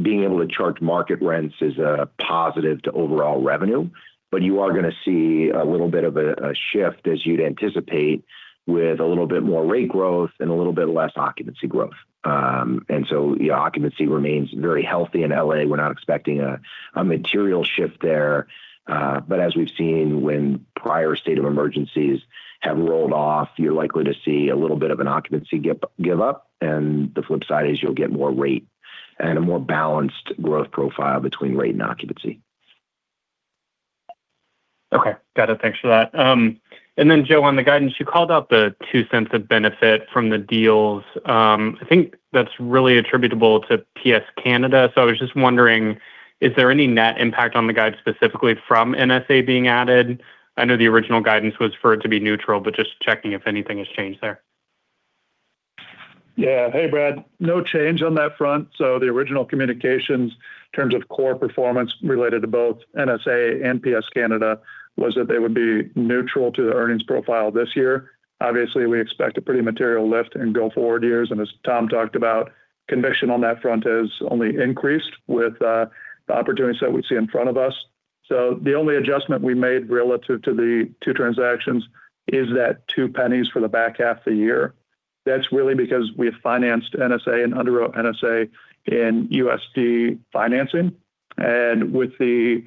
being able to charge market rents is a positive to overall revenue. You are going to see a little bit of a shift as you'd anticipate with a little bit more rate growth and a little bit less occupancy growth. The occupancy remains very healthy in L.A. We're not expecting a material shift there. As we've seen when prior state of emergencies have rolled off, you're likely to see a little bit of an occupancy give-up. The flip side is you'll get more rate and a more balanced growth profile between rate and occupancy. Okay. Got it. Thanks for that. Joe, on the guidance, you called out the $0.02 of benefit from the deals. I think that's really attributable to PS Canada. I was just wondering, is there any net impact on the guide specifically from NSA being added? I know the original guidance was for it to be neutral, but just checking if anything has changed there. Yeah. Hey, Brad. No change on that front. The original communications in terms of core performance related to both NSA and PS Canada was that they would be neutral to the earnings profile this year. Obviously, we expect a pretty material lift in go-forward years. As Tom talked about, conviction on that front has only increased with the opportunities that we see in front of us. The only adjustment we made relative to the two transactions is that $0.02 for the back half of the year. That's really because we have financed NSA and underwrote NSA in USD financing. With the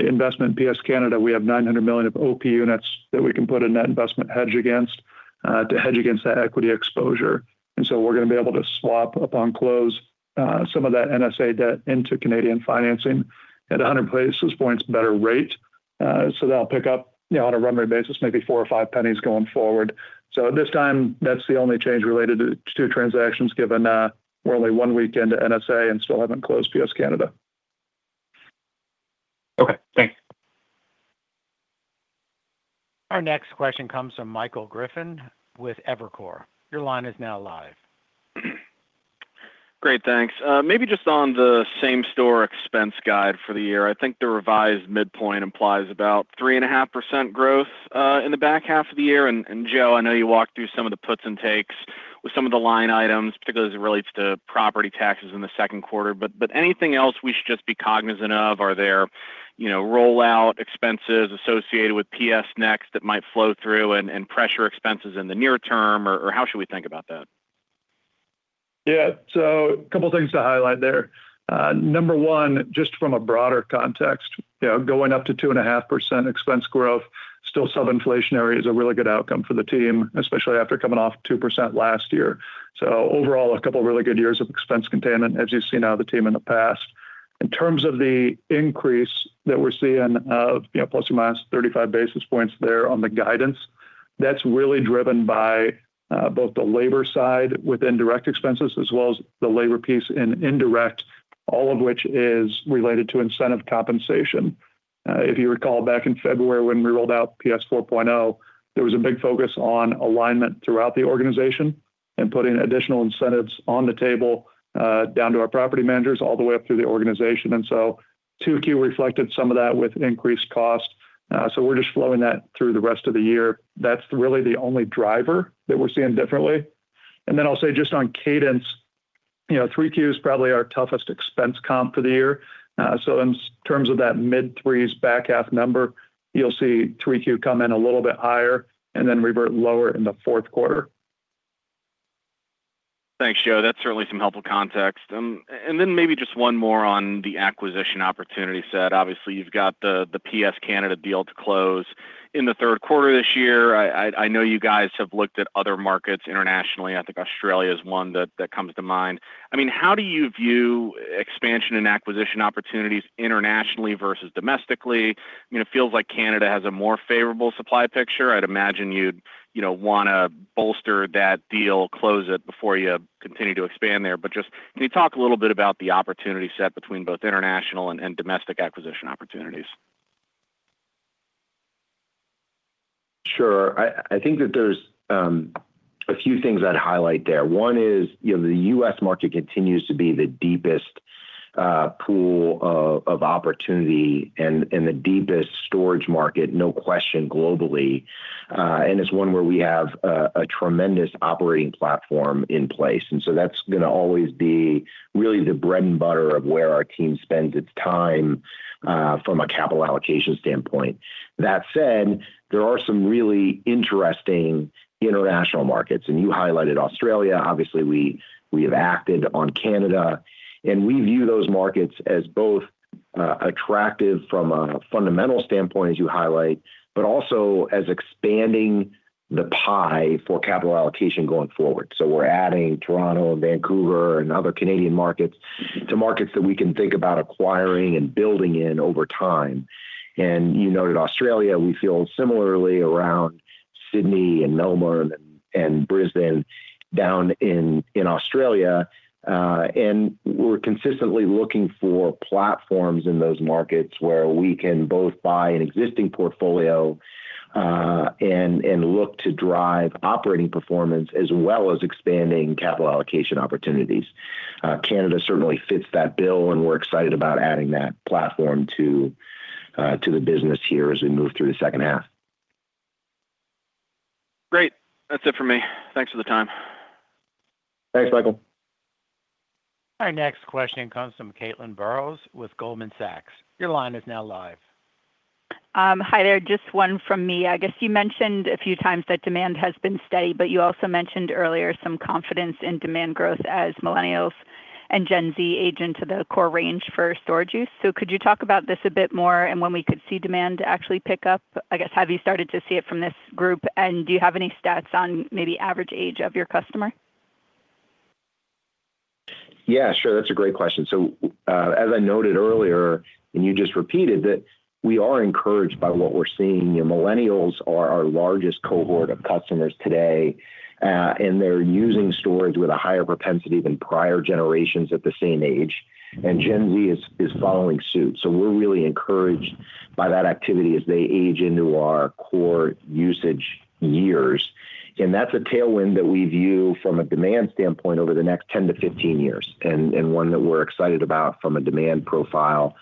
investment in PS Canada, we have $900 million of OP units that we can put in that investment hedge against, to hedge against that equity exposure. We're going to be able to swap upon close some of that NSA debt into Canadian financing at 100 basis points better rate. That'll pick up on a run rate basis, maybe $0.04 or $0.05 going forward. At this time, that's the only change related to two transactions given we're only one week into NSA and still haven't closed PS Canada. Okay, thanks. Our next question comes from Michael Griffin with Evercore. Your line is now live. Great, thanks. Maybe just on the same store expense guide for the year. I think the revised midpoint implies about 3.5% growth in the back half of the year. Joe, I know you walked through some of the puts and takes with some of the line items, particularly as it relates to property taxes in the second quarter. Anything else we should just be cognizant of? Are there rollout expenses associated with PS Next that might flow through and pressure expenses in the near term, or how should we think about that? Yeah. A couple things to highlight there. Number one, just from a broader context. Going up to 2.5% expense growth, still sub-inflationary is a really good outcome for the team, especially after coming off 2% last year. Overall, a couple of really good years of expense containment, as you've seen out of the team in the past. In terms of the increase that we're seeing of plus or minus 35 basis points there on the guidance, that's really driven by both the labor side with indirect expenses as well as the labor piece in indirect, all of which is related to incentive compensation. If you recall back in February when we rolled out PS 4.0, there was a big focus on alignment throughout the organization and putting additional incentives on the table, down to our property managers, all the way up through the organization. 2Q reflected some of that with increased cost. We're just flowing that through the rest of the year. That's really the only driver that we're seeing differently. I'll say just on cadence, 3Q is probably our toughest expense comp for the year. In terms of that mid-threes back half number, you'll see 3Q come in a little bit higher and then revert lower in the fourth quarter. Thanks, Joe. That's certainly some helpful context. Maybe just one more on the acquisition opportunity set. Obviously, you've got the PS Canada deal to close in the third quarter this year. I know you guys have looked at other markets internationally. I think Australia is one that comes to mind. How do you view expansion and acquisition opportunities internationally versus domestically? It feels like Canada has a more favorable supply picture. I'd imagine you'd want to bolster that deal, close it before you continue to expand there. Can you talk a little bit about the opportunity set between both international and domestic acquisition opportunities? Sure. I think that there's a few things I'd highlight there. One is, the U.S. market continues to be the deepest pool of opportunity and the deepest storage market, no question, globally. It's one where we have a tremendous operating platform in place. That's going to always be really the bread and butter of where our team spends its time from a capital allocation standpoint. That said, there are some really interesting international markets, you highlighted Australia. Obviously, we have acted on Canada, we view those markets as both attractive from a fundamental standpoint, as you highlight, but also as expanding the pie for capital allocation going forward. We're adding Toronto and Vancouver and other Canadian markets to markets that we can think about acquiring and building in over time. You noted Australia, we feel similarly around Sydney and Melbourne and Brisbane down in Australia. We're consistently looking for platforms in those markets where we can both buy an existing portfolio, look to drive operating performance as well as expanding capital allocation opportunities. Canada certainly fits that bill, we're excited about adding that platform to the business here as we move through the second half. Great. That's it for me. Thanks for the time. Thanks, Michael. Our next question comes from Caitlin Burrows with Goldman Sachs. Your line is now live. Hi there. Just one from me. I guess you mentioned a few times that demand has been steady. You also mentioned earlier some confidence in demand growth as millennials and Gen Z age into the core range for storage use. Could you talk about this a bit more and when we could see demand actually pick up? I guess, have you started to see it from this group, and do you have any stats on maybe average age of your customer? Yeah, sure. That's a great question. As I noted earlier, and you just repeated that we are encouraged by what we're seeing. Millennials are our largest cohort of customers today. They're using storage with a higher propensity than prior generations at the same age, and Gen Z is following suit. We're really encouraged by that activity as they age into our core usage years. That's a tailwind that we view from a demand standpoint over the next 10 to 15 years, and one that we're excited about from a demand profile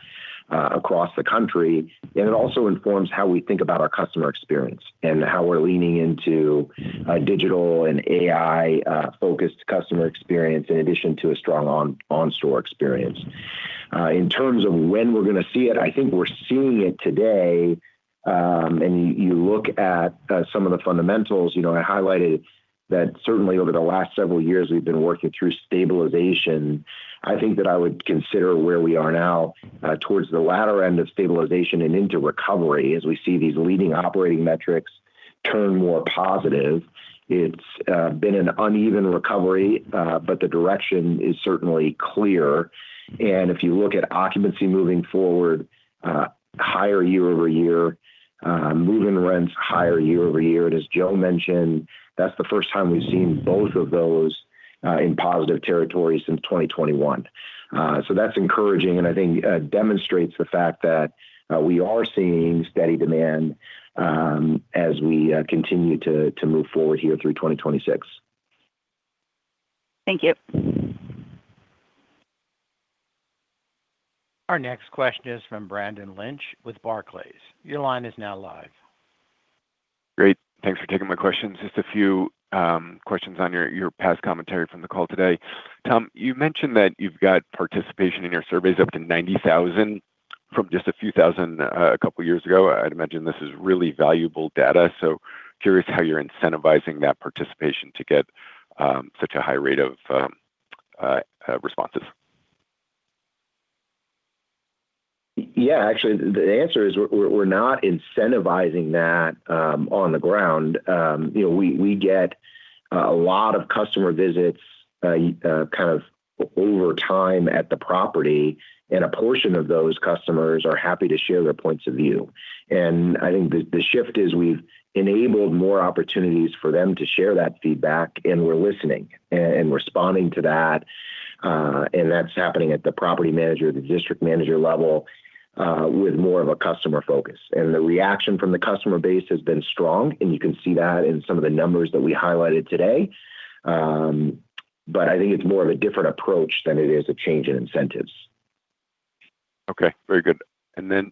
across the country. It also informs how we think about our customer experience and how we're leaning into a digital and AI-focused customer experience in addition to a strong on-store experience. In terms of when we're going to see it, I think we're seeing it today. You look at some of the fundamentals. I highlighted that certainly over the last several years, we've been working through stabilization. I think that I would consider where we are now towards the latter end of stabilization and into recovery as we see these leading operating metrics turn more positive. It's been an uneven recovery, but the direction is certainly clear. If you look at occupancy moving forward, higher year-over-year, move-in rents higher year-over-year. As Joe mentioned, that's the first time we've seen both of those in positive territories since 2021. That's encouraging and I think demonstrates the fact that we are seeing steady demand as we continue to move forward here through 2026. Thank you. Our next question is from Brendan Lynch with Barclays. Your line is now live. Great. Thanks for taking my questions. Just a few questions on your past commentary from the call today. Tom, you mentioned that you've got participation in your surveys up to 90,000 from just a few thousand a couple of years ago. I'd imagine this is really valuable data. Curious how you're incentivizing that participation to get such a high rate of responses. Yeah, actually, the answer is we're not incentivizing that on the ground. We get a lot of customer visits kind of over time at the property, and a portion of those customers are happy to share their points of view. I think the shift is we've enabled more opportunities for them to share that feedback, and we're listening and responding to that. That's happening at the property manager, the district manager level, with more of a customer focus. The reaction from the customer base has been strong, and you can see that in some of the numbers that we highlighted today. I think it's more of a different approach than it is a change in incentives. Okay. Very good.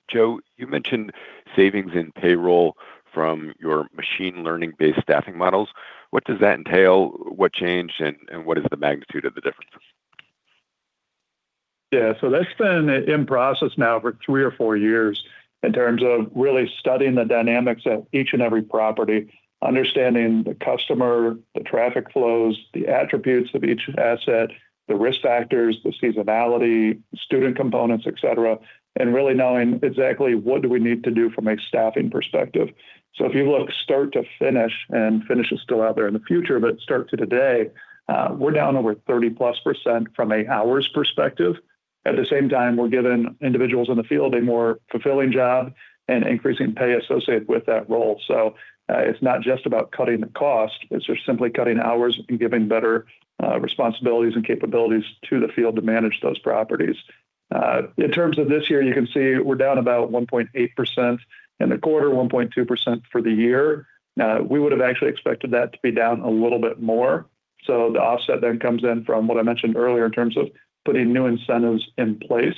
Joe, you mentioned savings in payroll from your machine learning-based staffing models. What does that entail? What changed, and what is the magnitude of the difference? Yeah. That's been in process now for three or four years in terms of really studying the dynamics at each and every property, understanding the customer, the traffic flows, the attributes of each asset, the risk factors, the seasonality, student components, et cetera, and really knowing exactly what do we need to do from a staffing perspective. If you look start to finish, and finish is still out there in the future, but start to today, we're down over 30+% from an hours perspective. At the same time, we're giving individuals in the field a more fulfilling job and increasing pay associated with that role. It's not just about cutting the cost, it's just simply cutting hours and giving better responsibilities and capabilities to the field to manage those properties. In terms of this year, you can see we're down about 1.8% in the quarter, 1.2% for the year. We would have actually expected that to be down a little bit more. The offset then comes in from what I mentioned earlier in terms of putting new incentives in place.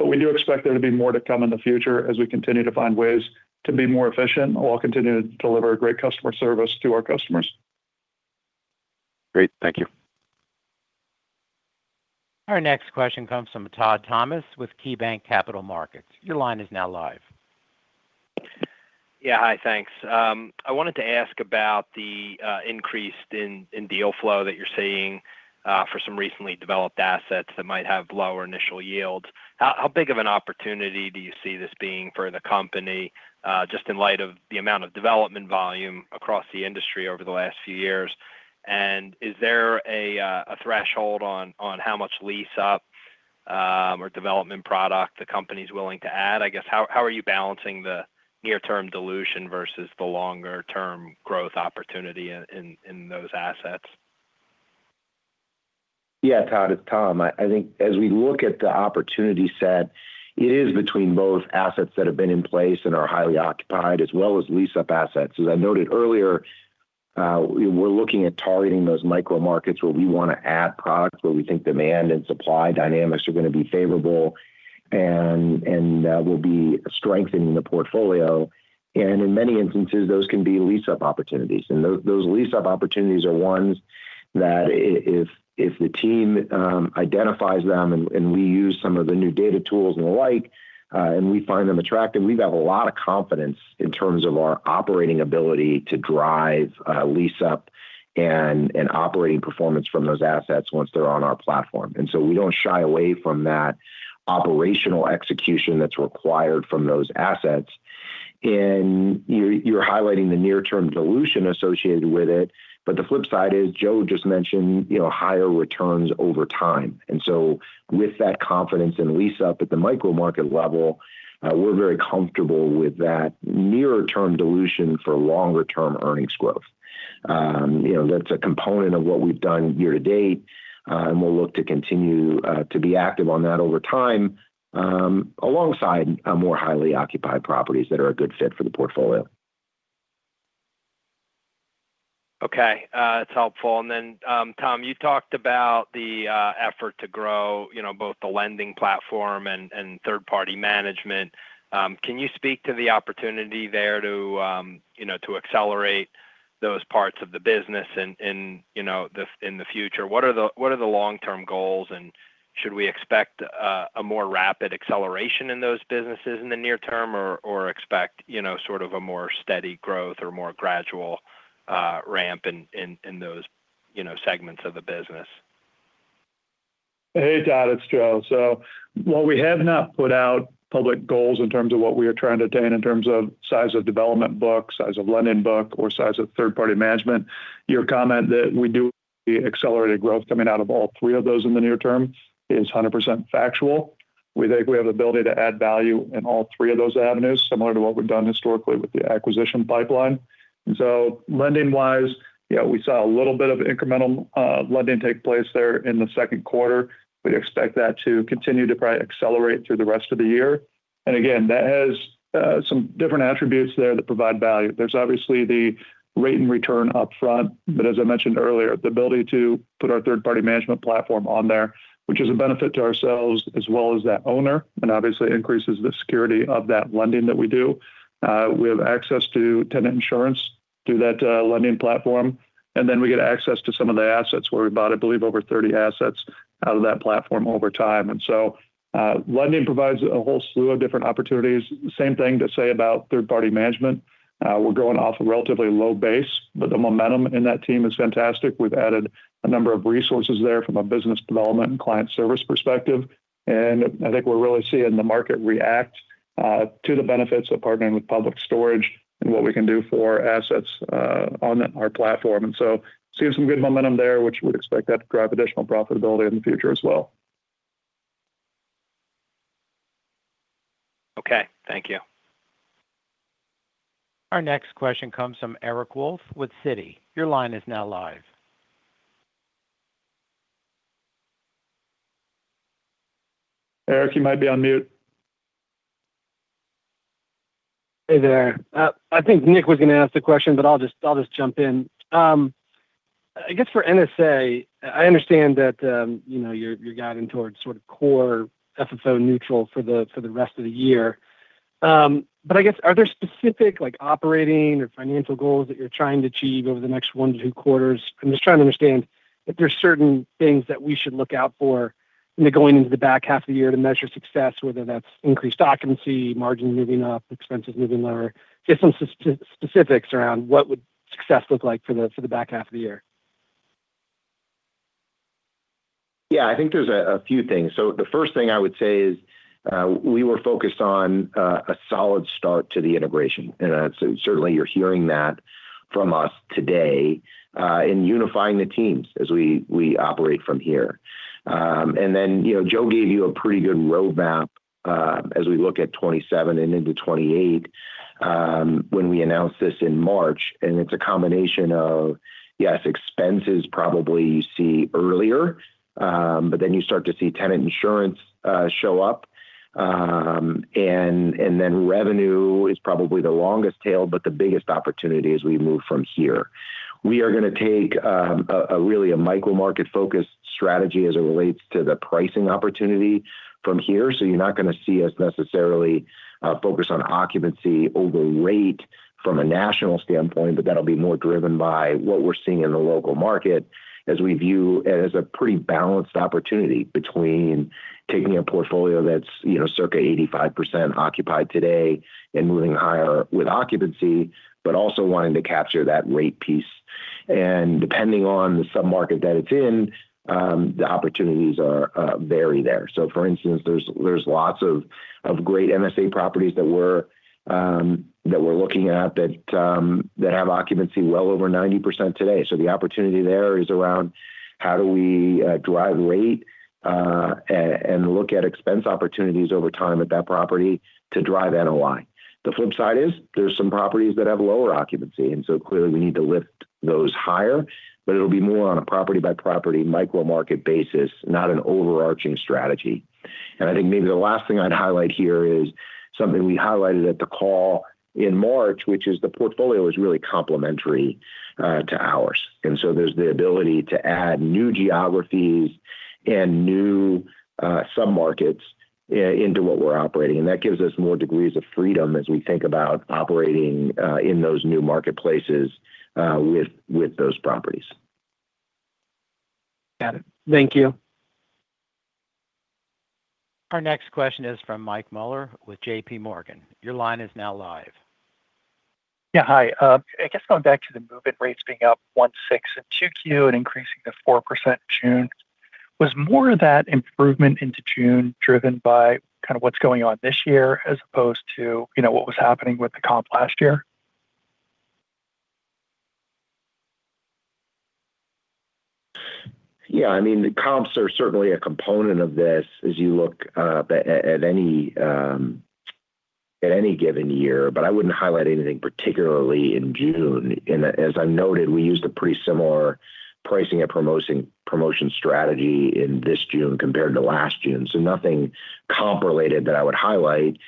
We do expect there to be more to come in the future as we continue to find ways to be more efficient while continuing to deliver great customer service to our customers. Great. Thank you. Our next question comes from Todd Thomas with KeyBanc Capital Markets. Your line is now live. Yeah. Hi, thanks. I wanted to ask about the increase in deal flow that you're seeing for some recently developed assets that might have lower initial yields. How big of an opportunity do you see this being for the company, just in light of the amount of development volume across the industry over the last few years? Is there a threshold on how much lease-up or development product the company's willing to add? I guess, how are you balancing the near-term dilution versus the longer-term growth opportunity in those assets? Yeah, Todd, it's Tom. I think as we look at the opportunity set, it is between both assets that have been in place and are highly occupied, as well as lease-up assets. As I noted earlier, we're looking at targeting those micro markets where we want to add product, where we think demand and supply dynamics are going to be favorable and will be strengthening the portfolio. In many instances, those can be lease-up opportunities. Those lease-up opportunities are ones that if the team identifies them and we use some of the new data tools and the like, and we find them attractive, we'd have a lot of confidence in terms of our operating ability to drive lease-up and operating performance from those assets once they're on our platform. We don't shy away from that operational execution that's required from those assets. You're highlighting the near-term dilution associated with it, but the flip side is Joe just mentioned higher returns over time. With that confidence in lease-up at the micro market level, we're very comfortable with that nearer-term dilution for longer-term earnings growth. That's a component of what we've done year to date, and we'll look to continue to be active on that over time, alongside more highly occupied properties that are a good fit for the portfolio. Okay. That's helpful. Tom, you talked about the effort to grow both the lending platform and third-party management. Can you speak to the opportunity there to accelerate those parts of the business in the future? What are the long-term goals and should we expect a more rapid acceleration in those businesses in the near term or expect sort of a more steady growth or more gradual ramp in those segments of the business? Hey, Todd. It's Joe. While we have not put out public goals in terms of what we are trying to attain in terms of size of development book, size of lending book, or size of third-party management. Your comment that we do see accelerated growth coming out of all three of those in the near term is 100% factual. We think we have the ability to add value in all three of those avenues, similar to what we've done historically with the acquisition pipeline. Lending-wise, we saw a little bit of incremental lending take place there in the second quarter. We expect that to continue to probably accelerate through the rest of the year. Again, that has some different attributes there that provide value. There's obviously the rate and return upfront, but as I mentioned earlier, the ability to put our third-party management platform on there, which is a benefit to ourselves as well as that owner, and obviously increases the security of that lending that we do. We have access to tenant insurance through that lending platform, and then we get access to some of the assets where we bought, I believe, over 30 assets out of that platform over time. Lending provides a whole slew of different opportunities. Same thing to say about third-party management. We're going off a relatively low base, but the momentum in that team is fantastic. We've added a number of resources there from a business development and client service perspective, and I think we're really seeing the market react to the benefits of partnering with Public Storage and what we can do for assets on our platform. Seeing some good momentum there, which we'd expect that to drive additional profitability in the future as well. Okay. Thank you. Our next question comes from Eric Wolfe with Citi. Your line is now live. Eric, you might be on mute. Hey there. I think Nick was going to ask the question. I'll just jump in. I guess for NSA, I understand that you're guiding towards sort of Core FFO neutral for the rest of the year. I guess, are there specific operating or financial goals that you're trying to achieve over the next one to two quarters? I'm just trying to understand if there's certain things that we should look out for going into the back half of the year to measure success, whether that's increased occupancy, margins moving up, expenses moving lower. Just some specifics around what would success look like for the back half of the year. Yeah, I think there's a few things. The first thing I would say is we were focused on a solid start to the integration. Certainly you're hearing that from us today in unifying the teams as we operate from here. Joe gave you a pretty good roadmap as we look at 2027 and into 2028. When we announced this in March, it's a combination of yes, expenses probably you see earlier, but then you start to see tenant insurance show up. Revenue is probably the longest tail, but the biggest opportunity as we move from here. We are going to take a really a micro-market focused strategy as it relates to the pricing opportunity from here. You're not going to see us necessarily focus on occupancy over rate from a national standpoint, but that'll be more driven by what we're seeing in the local market as we view it as a pretty balanced opportunity between taking a portfolio that's circa 85% occupied today and moving higher with occupancy, but also wanting to capture that rate piece. Depending on the sub-market that it's in, the opportunities are vary there. For instance, there's lots of great NSA properties that we're looking at that have occupancy well over 90% today. The opportunity there is around how do we drive rate and look at expense opportunities over time at that property to drive NOI. The flip side is there's some properties that have lower occupancy, clearly we need to lift those higher, it'll be more on a property-by-property micro-market basis, not an overarching strategy. I think maybe the last thing I'd highlight here is something we highlighted at the call in March, which is the portfolio is really complementary to ours. There's the ability to add new geographies and new sub-markets into what we're operating. That gives us more degrees of freedom as we think about operating in those new marketplaces with those properties. Got it. Thank you. Our next question is from Mike Mueller with JP Morgan. Your line is now live. Hi. I guess going back to the move-in rates being up 1.6% in 2Q and increasing to 4% June, was more of that improvement into June driven by kind of what's going on this year as opposed to what was happening with the comp last year? Yeah, the comps are certainly a component of this as you look at any given year, but I wouldn't highlight anything particularly in June. As I noted, we used a pretty similar pricing and promotion strategy in this June compared to last June. Nothing comp-related that I would highlight.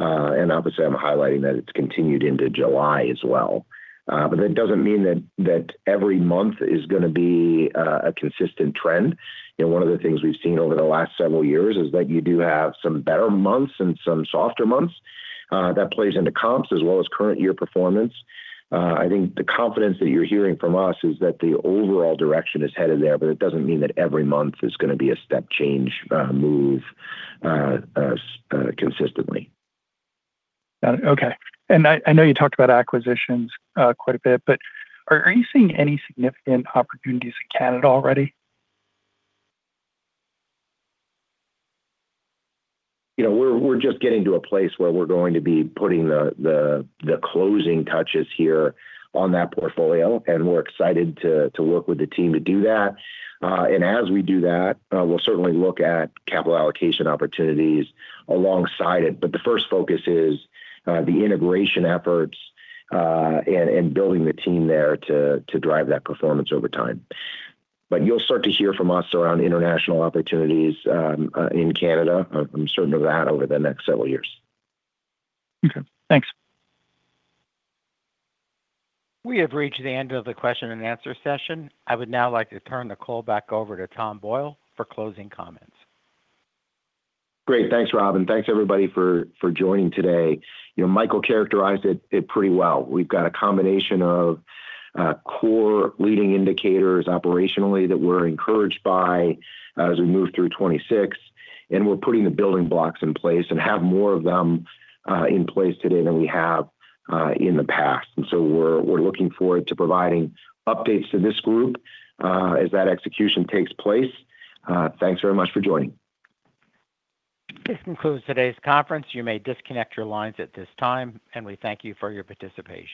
Obviously I'm highlighting that it's continued into July as well. That doesn't mean that every month is going to be a consistent trend. One of the things we've seen over the last several years is that you do have some better months and some softer months. That plays into comps as well as current year performance. I think the confidence that you're hearing from us is that the overall direction is headed there, but it doesn't mean that every month is going to be a step change move consistently. Got it. Okay. I know you talked about acquisitions quite a bit, but are you seeing any significant opportunities in Canada already? We're just getting to a place where we're going to be putting the closing touches here on that portfolio, and we're excited to work with the team to do that. As we do that, we'll certainly look at capital allocation opportunities alongside it. The first focus is the integration efforts, and building the team there to drive that performance over time. You'll start to hear from us around international opportunities in Canada, I'm certain of that, over the next several years. Okay, thanks. We have reached the end of the question and answer session. I would now like to turn the call back over to Tom Boyle for closing comments. Great. Thanks, Robin. Thanks, everybody, for joining today. Michael characterized it pretty well. We've got a combination of core leading indicators operationally that we're encouraged by as we move through 2026, and we're putting the building blocks in place and have more of them in place today than we have in the past. So we're looking forward to providing updates to this group as that execution takes place. Thanks very much for joining. This concludes today's conference. You may disconnect your lines at this time, and we thank you for your participation.